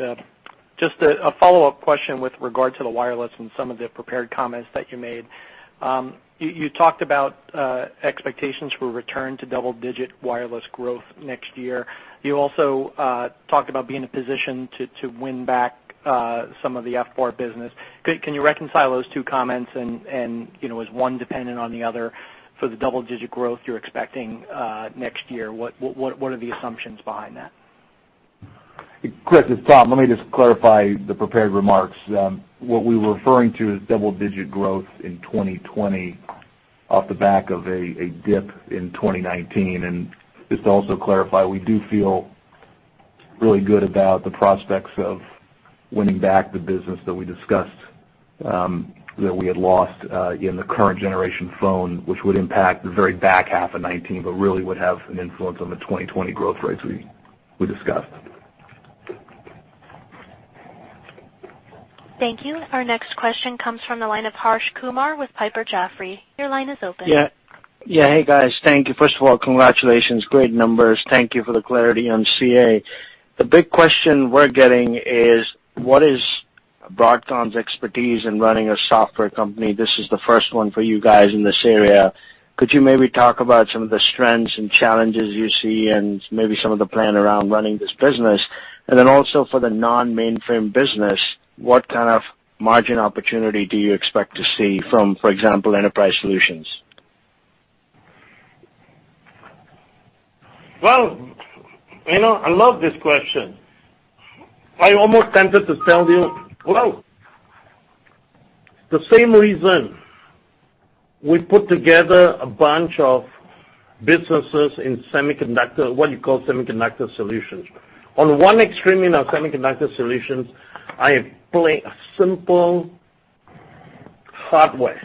Just a follow-up question with regard to the wireless and some of the prepared comments that you made. You talked about expectations for return to double-digit wireless growth next year. You also talked about being in a position to win back some of the FBAR business. Can you reconcile those two comments? Is one dependent on the other for the double-digit growth you're expecting next year? What are the assumptions behind that? Chris, it's Tom. Let me just clarify the prepared remarks. What we were referring to is double-digit growth in 2020 off the back of a dip in 2019. Just to also clarify, we do feel really good about the prospects of winning back the business that we discussed that we had lost in the current generation phone, which would impact the very back half of 2019, but really would have an influence on the 2020 growth rates we discussed. Thank you. Our next question comes from the line of Harsh Kumar with Piper Jaffray. Your line is open. Yeah. Hey, guys. Thank you. First of all, congratulations. Great numbers. Thank you for the clarity on CA. The big question we're getting is: What is Broadcom's expertise in running a software company? This is the first one for you guys in this area. Could you maybe talk about some of the strengths and challenges you see and maybe some of the plan around running this business? Also for the non-mainframe business, what kind of margin opportunity do you expect to see from, for example, enterprise solutions? Well, I love this question. I'm almost tempted to tell you, well, the same reason we put together a bunch of businesses in semiconductor, what you call semiconductor solutions. On one extreme in our semiconductor solutions, I have plain, simple hardware,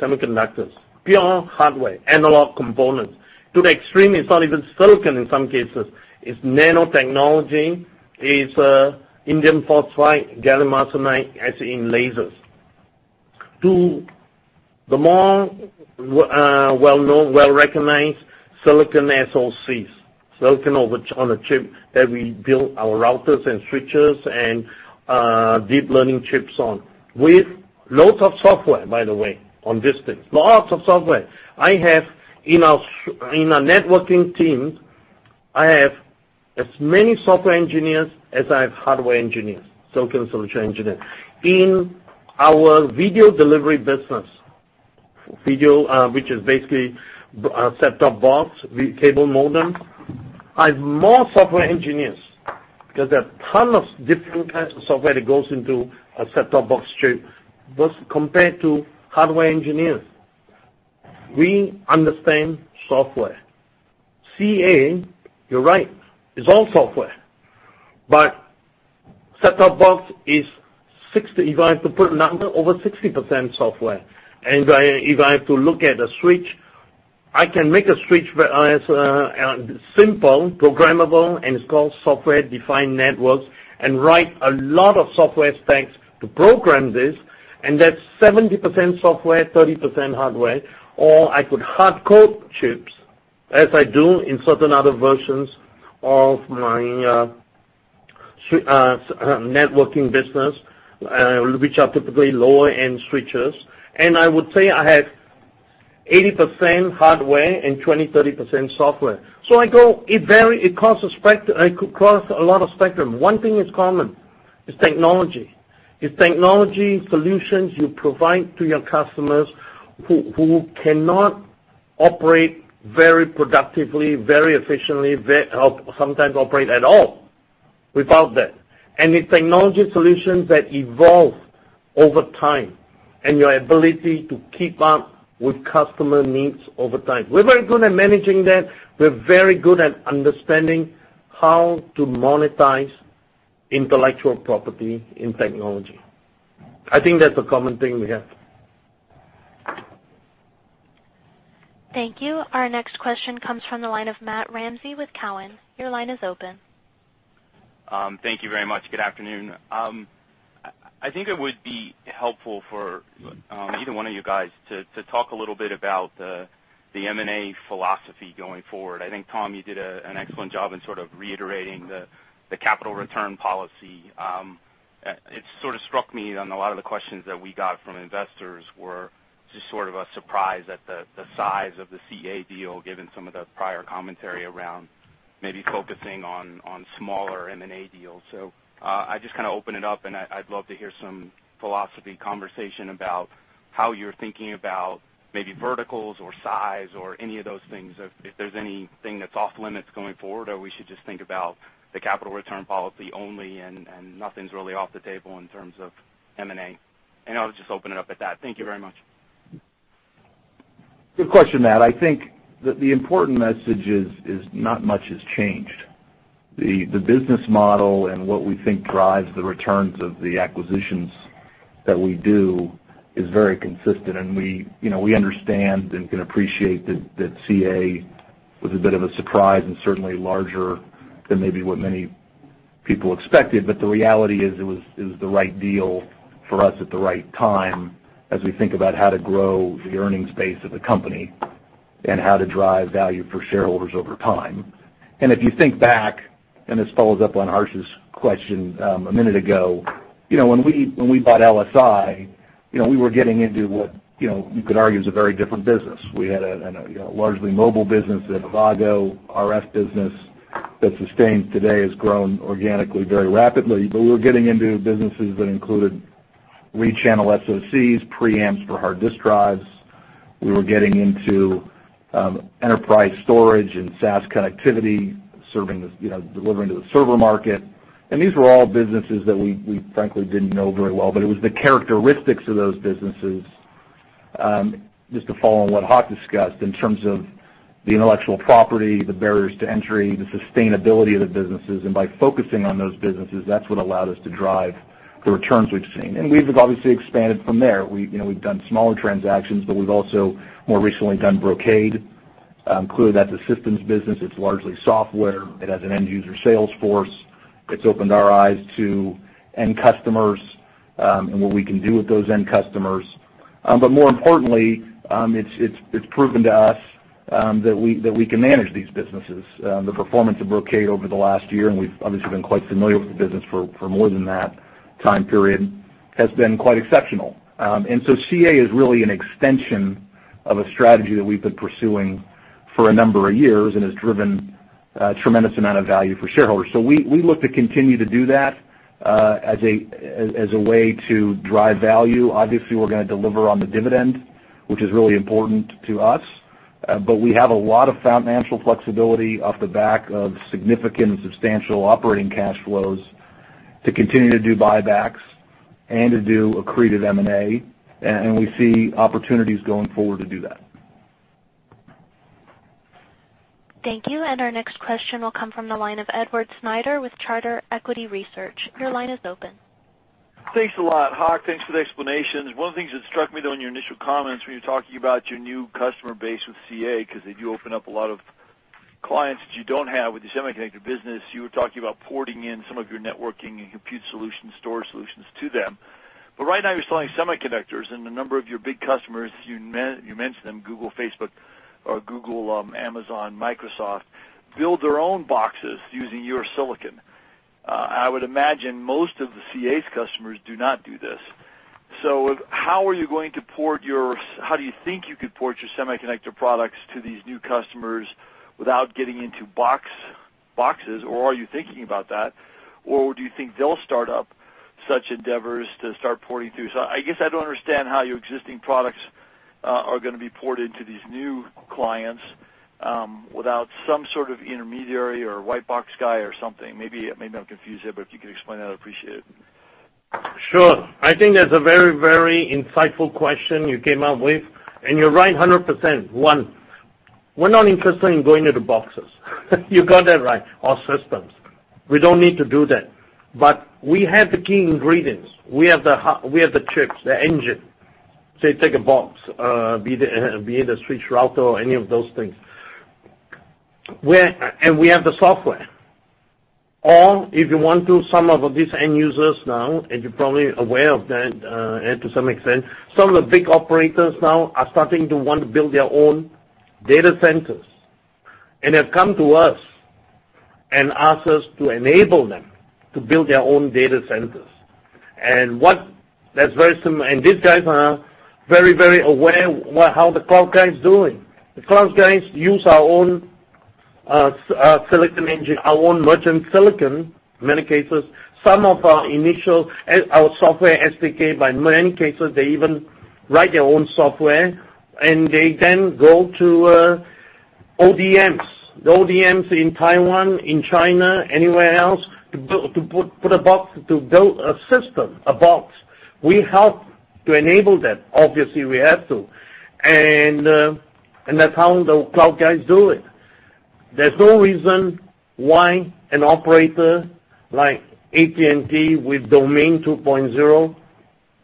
semiconductors, pure hardware, analog components. To the extreme, it's not even silicon in some cases. It's nanotechnology. It's indium phosphide, gallium arsenide, as in lasers. To the more well-known, well-recognized silicon SoCs, silicon on a chip that we build our routers and switches and deep learning chips on with loads of software, by the way, on this thing. Lots of software. In our networking teams, I have as many software engineers as I have hardware engineers, silicon solution engineers. In our video delivery business, video which is basically a set-top box, the cable modem, I have more software engineers because there are a ton of different kinds of software that goes into a set-top box chip compared to hardware engineers. We understand software. CA, you're right, is all software, but set-top box is 60, if I have to put a number, over 60% software. If I have to look at a switch, I can make a switch that is simple, programmable, and it's called software-defined networks and write a lot of software stacks to program this, and that's 70% software, 30% hardware, or I could hard code chips as I do in certain other versions of my networking business which are typically lower-end switches. I would say I have 80% hardware and 20%, 30% software. It could cross a lot of spectrum. One thing is common, it's technology. It's technology solutions you provide to your customers who cannot operate very productively, very efficiently, sometimes operate at all without that. It's technology solutions that evolve over time and your ability to keep up with customer needs over time. We're very good at managing that. We're very good at understanding how to monetize intellectual property in technology. I think that's a common thing we have. Thank you. Our next question comes from the line of Matt Ramsay with Cowen. Your line is open. Thank you very much. Good afternoon. I think it would be helpful for either one of you guys to talk a little bit about the M&A philosophy going forward. I think, Tom, you did an excellent job in sort of reiterating the capital return policy. It sort of struck me on a lot of the questions that we got from investors were just sort of a surprise at the size of the CA deal, given some of the prior commentary around maybe focusing on smaller M&A deals. I just kind of open it up and I'd love to hear some philosophy conversation about how you're thinking about maybe verticals or size or any of those things, if there's anything that's off limits going forward, or we should just think about the capital return policy only and nothing's really off the table in terms of M&A. I'll just open it up at that. Thank you very much. Good question, Matt. I think that the important message is not much has changed. The business model and what we think drives the returns of the acquisitions that we do is very consistent, and we understand and can appreciate that CA was a bit of a surprise and certainly larger than maybe what many people expected. The reality is it was the right deal for us at the right time as we think about how to grow the earnings base of the company and how to drive value for shareholders over time. If you think back, and this follows up on Harsh's question a minute ago, when we bought LSI we were getting into what you could argue is a very different business. We had a largely mobile business in Avago, RF business that sustains today has grown organically very rapidly. We were getting into businesses that included read channel SoCs, preamps for hard disk drives. We were getting into enterprise storage and SAS connectivity, delivering to the server market. These were all businesses that we frankly didn't know very well. It was the characteristics of those businesses, just to follow on what Hock discussed, in terms of the intellectual property, the barriers to entry, the sustainability of the businesses, and by focusing on those businesses, that's what allowed us to drive the returns we've seen. We've obviously expanded from there. We've done smaller transactions, but we've also more recently done Brocade Clearly, that's a systems business. It's largely software. It has an end-user sales force. It's opened our eyes to end customers and what we can do with those end customers. More importantly, it's proven to us that we can manage these businesses. The performance of Brocade over the last year, and we've obviously been quite familiar with the business for more than that time period, has been quite exceptional. CA is really an extension of a strategy that we've been pursuing for a number of years and has driven a tremendous amount of value for shareholders. We look to continue to do that as a way to drive value. Obviously, we're going to deliver on the dividend, which is really important to us. We have a lot of financial flexibility off the back of significant and substantial operating cash flows to continue to do buybacks and to do accretive M&A. We see opportunities going forward to do that. Thank you. Our next question will come from the line of Edward Snyder with Charter Equity Research. Your line is open. Thanks a lot, Hock. Thanks for the explanations. One of the things that struck me, though, in your initial comments when you were talking about your new customer base with CA, because they do open up a lot of clients that you don't have with your semiconductor business. You were talking about porting in some of your networking and compute solution, storage solutions to them. But right now you're selling semiconductors, and a number of your big customers, you mentioned them, Google, Amazon, Microsoft, build their own boxes using your silicon. I would imagine most of CA's customers do not do this. How do you think you could port your semiconductor products to these new customers without getting into boxes? Or are you thinking about that? Or do you think they'll start up such endeavors to start porting through? I guess I don't understand how your existing products are going to be ported to these new clients without some sort of intermediary or white box guy or something. Maybe I'm confused there, but if you could explain that, I'd appreciate it. Sure. I think that's a very insightful question you came up with, and you're right 100%. One, we're not interested in going into boxes. You got that right. Or systems. We don't need to do that. We have the key ingredients. We have the chips, the engine. Say, take a box, be it a switch router or any of those things. We have the software. If you want to, some of these end users now, and you're probably aware of that to some extent, some of the big operators now are starting to want to build their own data centers. They've come to us and asked us to enable them to build their own data centers. These guys are very aware how the cloud guys doing. The cloud guys use our own silicon engine, our own merchant silicon, in many cases. Some of our initial software SDK, in many cases, they even write their own software, and they then go to ODMs. The ODMs in Taiwan, in China, anywhere else, to put a box, to build a system, a box. We help to enable that. Obviously, we have to. That's how the cloud guys do it. There's no reason why an operator like AT&T with Domain 2.0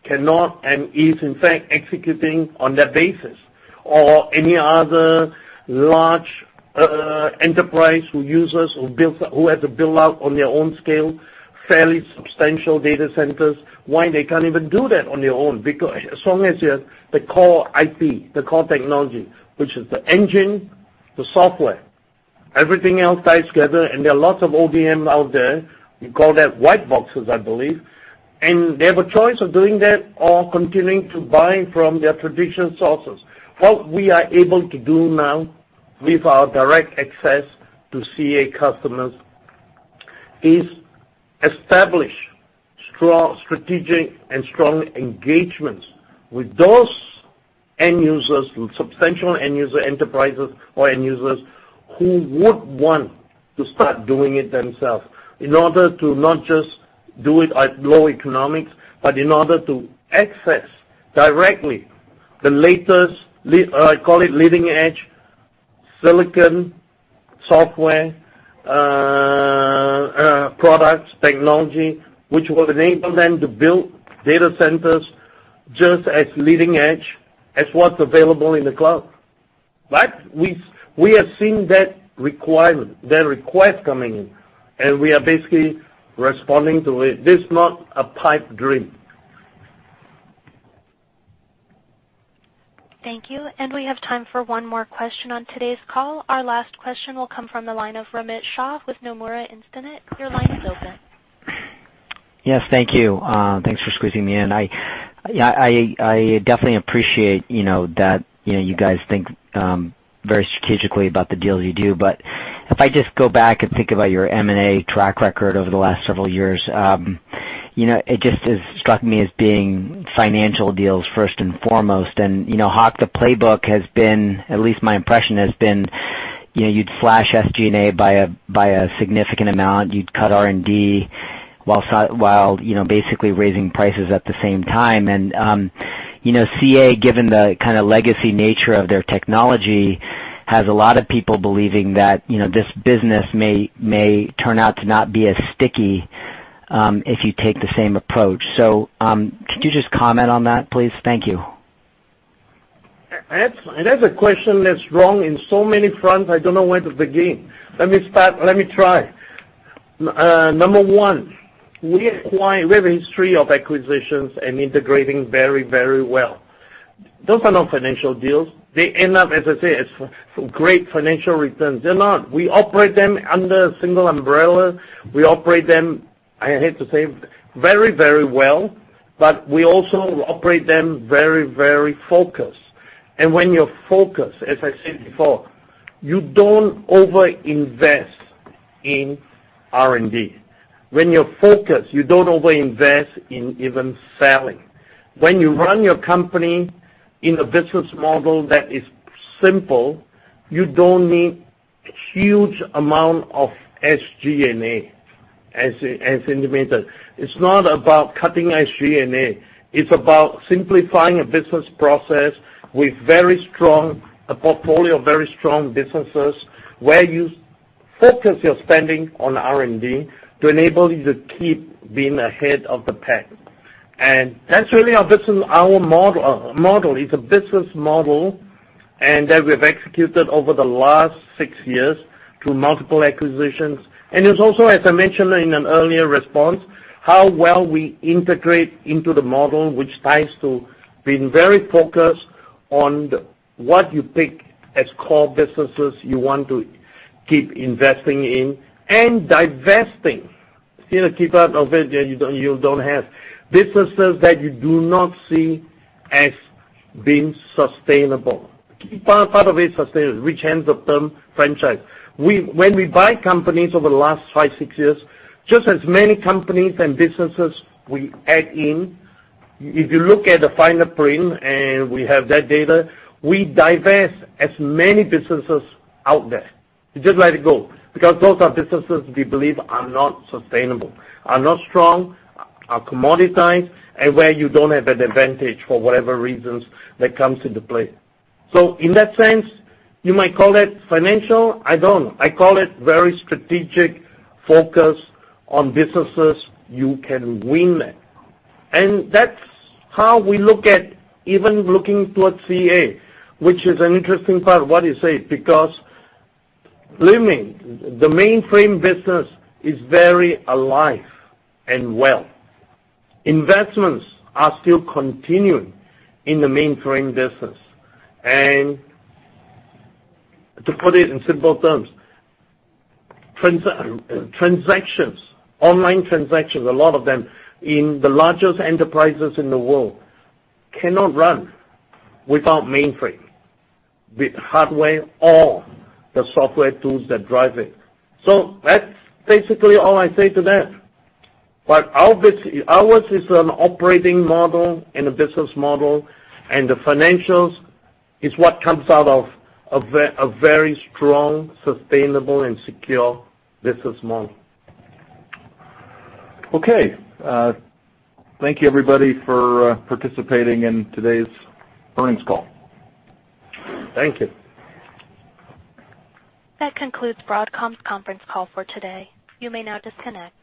cannot and is, in fact, executing on that basis, or any other large enterprise who uses, who has a build-out on their own scale, fairly substantial data centers, why they can't even do that on their own. As long as you have the core IP, the core technology, which is the engine, the software, everything else ties together, and there are lots of ODMs out there. We call that white boxes, I believe. They have a choice of doing that or continuing to buy from their traditional sources. What we are able to do now with our direct access to CA customers is establish strong strategic and strong engagements with those end users, substantial end user enterprises or end users who would want to start doing it themselves in order to not just do it at low economics, but in order to access directly the latest, I call it leading-edge silicon software products, technology, which will enable them to build data centers just as leading edge as what's available in the cloud. We have seen that request coming in, and we are basically responding to it. This is not a pipe dream. Thank you. We have time for one more question on today's call. Our last question will come from the line of Romit Shah with Nomura Instinet. Your line is open. Yes, thank you. Thanks for squeezing me in. I definitely appreciate that you guys think very strategically about the deals you do. If I just go back and think about your M&A track record over the last several years, it just has struck me as being financial deals first and foremost. Hock, the playbook has been, at least my impression, has been you'd flash SG&A by a significant amount. You'd cut R&D while basically raising prices at the same time. CA, given the legacy nature of their technology, has a lot of people believing that this business may turn out to not be as sticky if you take the same approach. Could you just comment on that, please? Thank you. That's a question that's wrong in so many fronts, I don't know where to begin. Let me try. Number one, we have a history of acquisitions and integrating very well. Those are not financial deals. They end up, as I said, as great financial returns. They're not. We operate them under a single umbrella. We operate them, I hate to say it, very well, but we also operate them very focused. When you're focused, as I said before, you don't over-invest in R&D. When you're focused, you don't over-invest in even selling. When you run your company in a business model that is simple, you don't need a huge amount of SG&A, as indicated. It's not about cutting SG&A, it's about simplifying a business process with a portfolio of very strong businesses, where you focus your spending on R&D to enable you to keep being ahead of the pack. That's really our model. It's a business model that we've executed over the last six years through multiple acquisitions. It's also, as I mentioned in an earlier response, how well we integrate into the model, which ties to being very focused on what you pick as core businesses you want to keep investing in, and divesting. Still keep out of it, you don't have businesses that you do not see as being sustainable. Part of it is sustainable, which lends the term franchise. When we buy companies over the last five, six years, just as many companies and businesses we add in, if you look at the finer print, and we have that data, we divest as many businesses out there. We just let it go, because those are businesses we believe are not sustainable, are not strong, are commoditized, and where you don't have that advantage for whatever reasons that comes into play. In that sense, you might call it financial, I don't know. I call it very strategic focus on businesses you can win at. That's how we look at even looking towards CA, which is an interesting part of what you say, because believe me, the mainframe business is very alive and well. Investments are still continuing in the mainframe business. To put it in simple terms, online transactions, a lot of them in the largest enterprises in the world, cannot run without mainframe, with hardware or the software tools that drive it. That's basically all I say to that. Ours is an operating model and a business model, and the financials is what comes out of a very strong, sustainable, and secure business model. Okay. Thank you everybody for participating in today's earnings call. Thank you. That concludes Broadcom's conference call for today. You may now disconnect.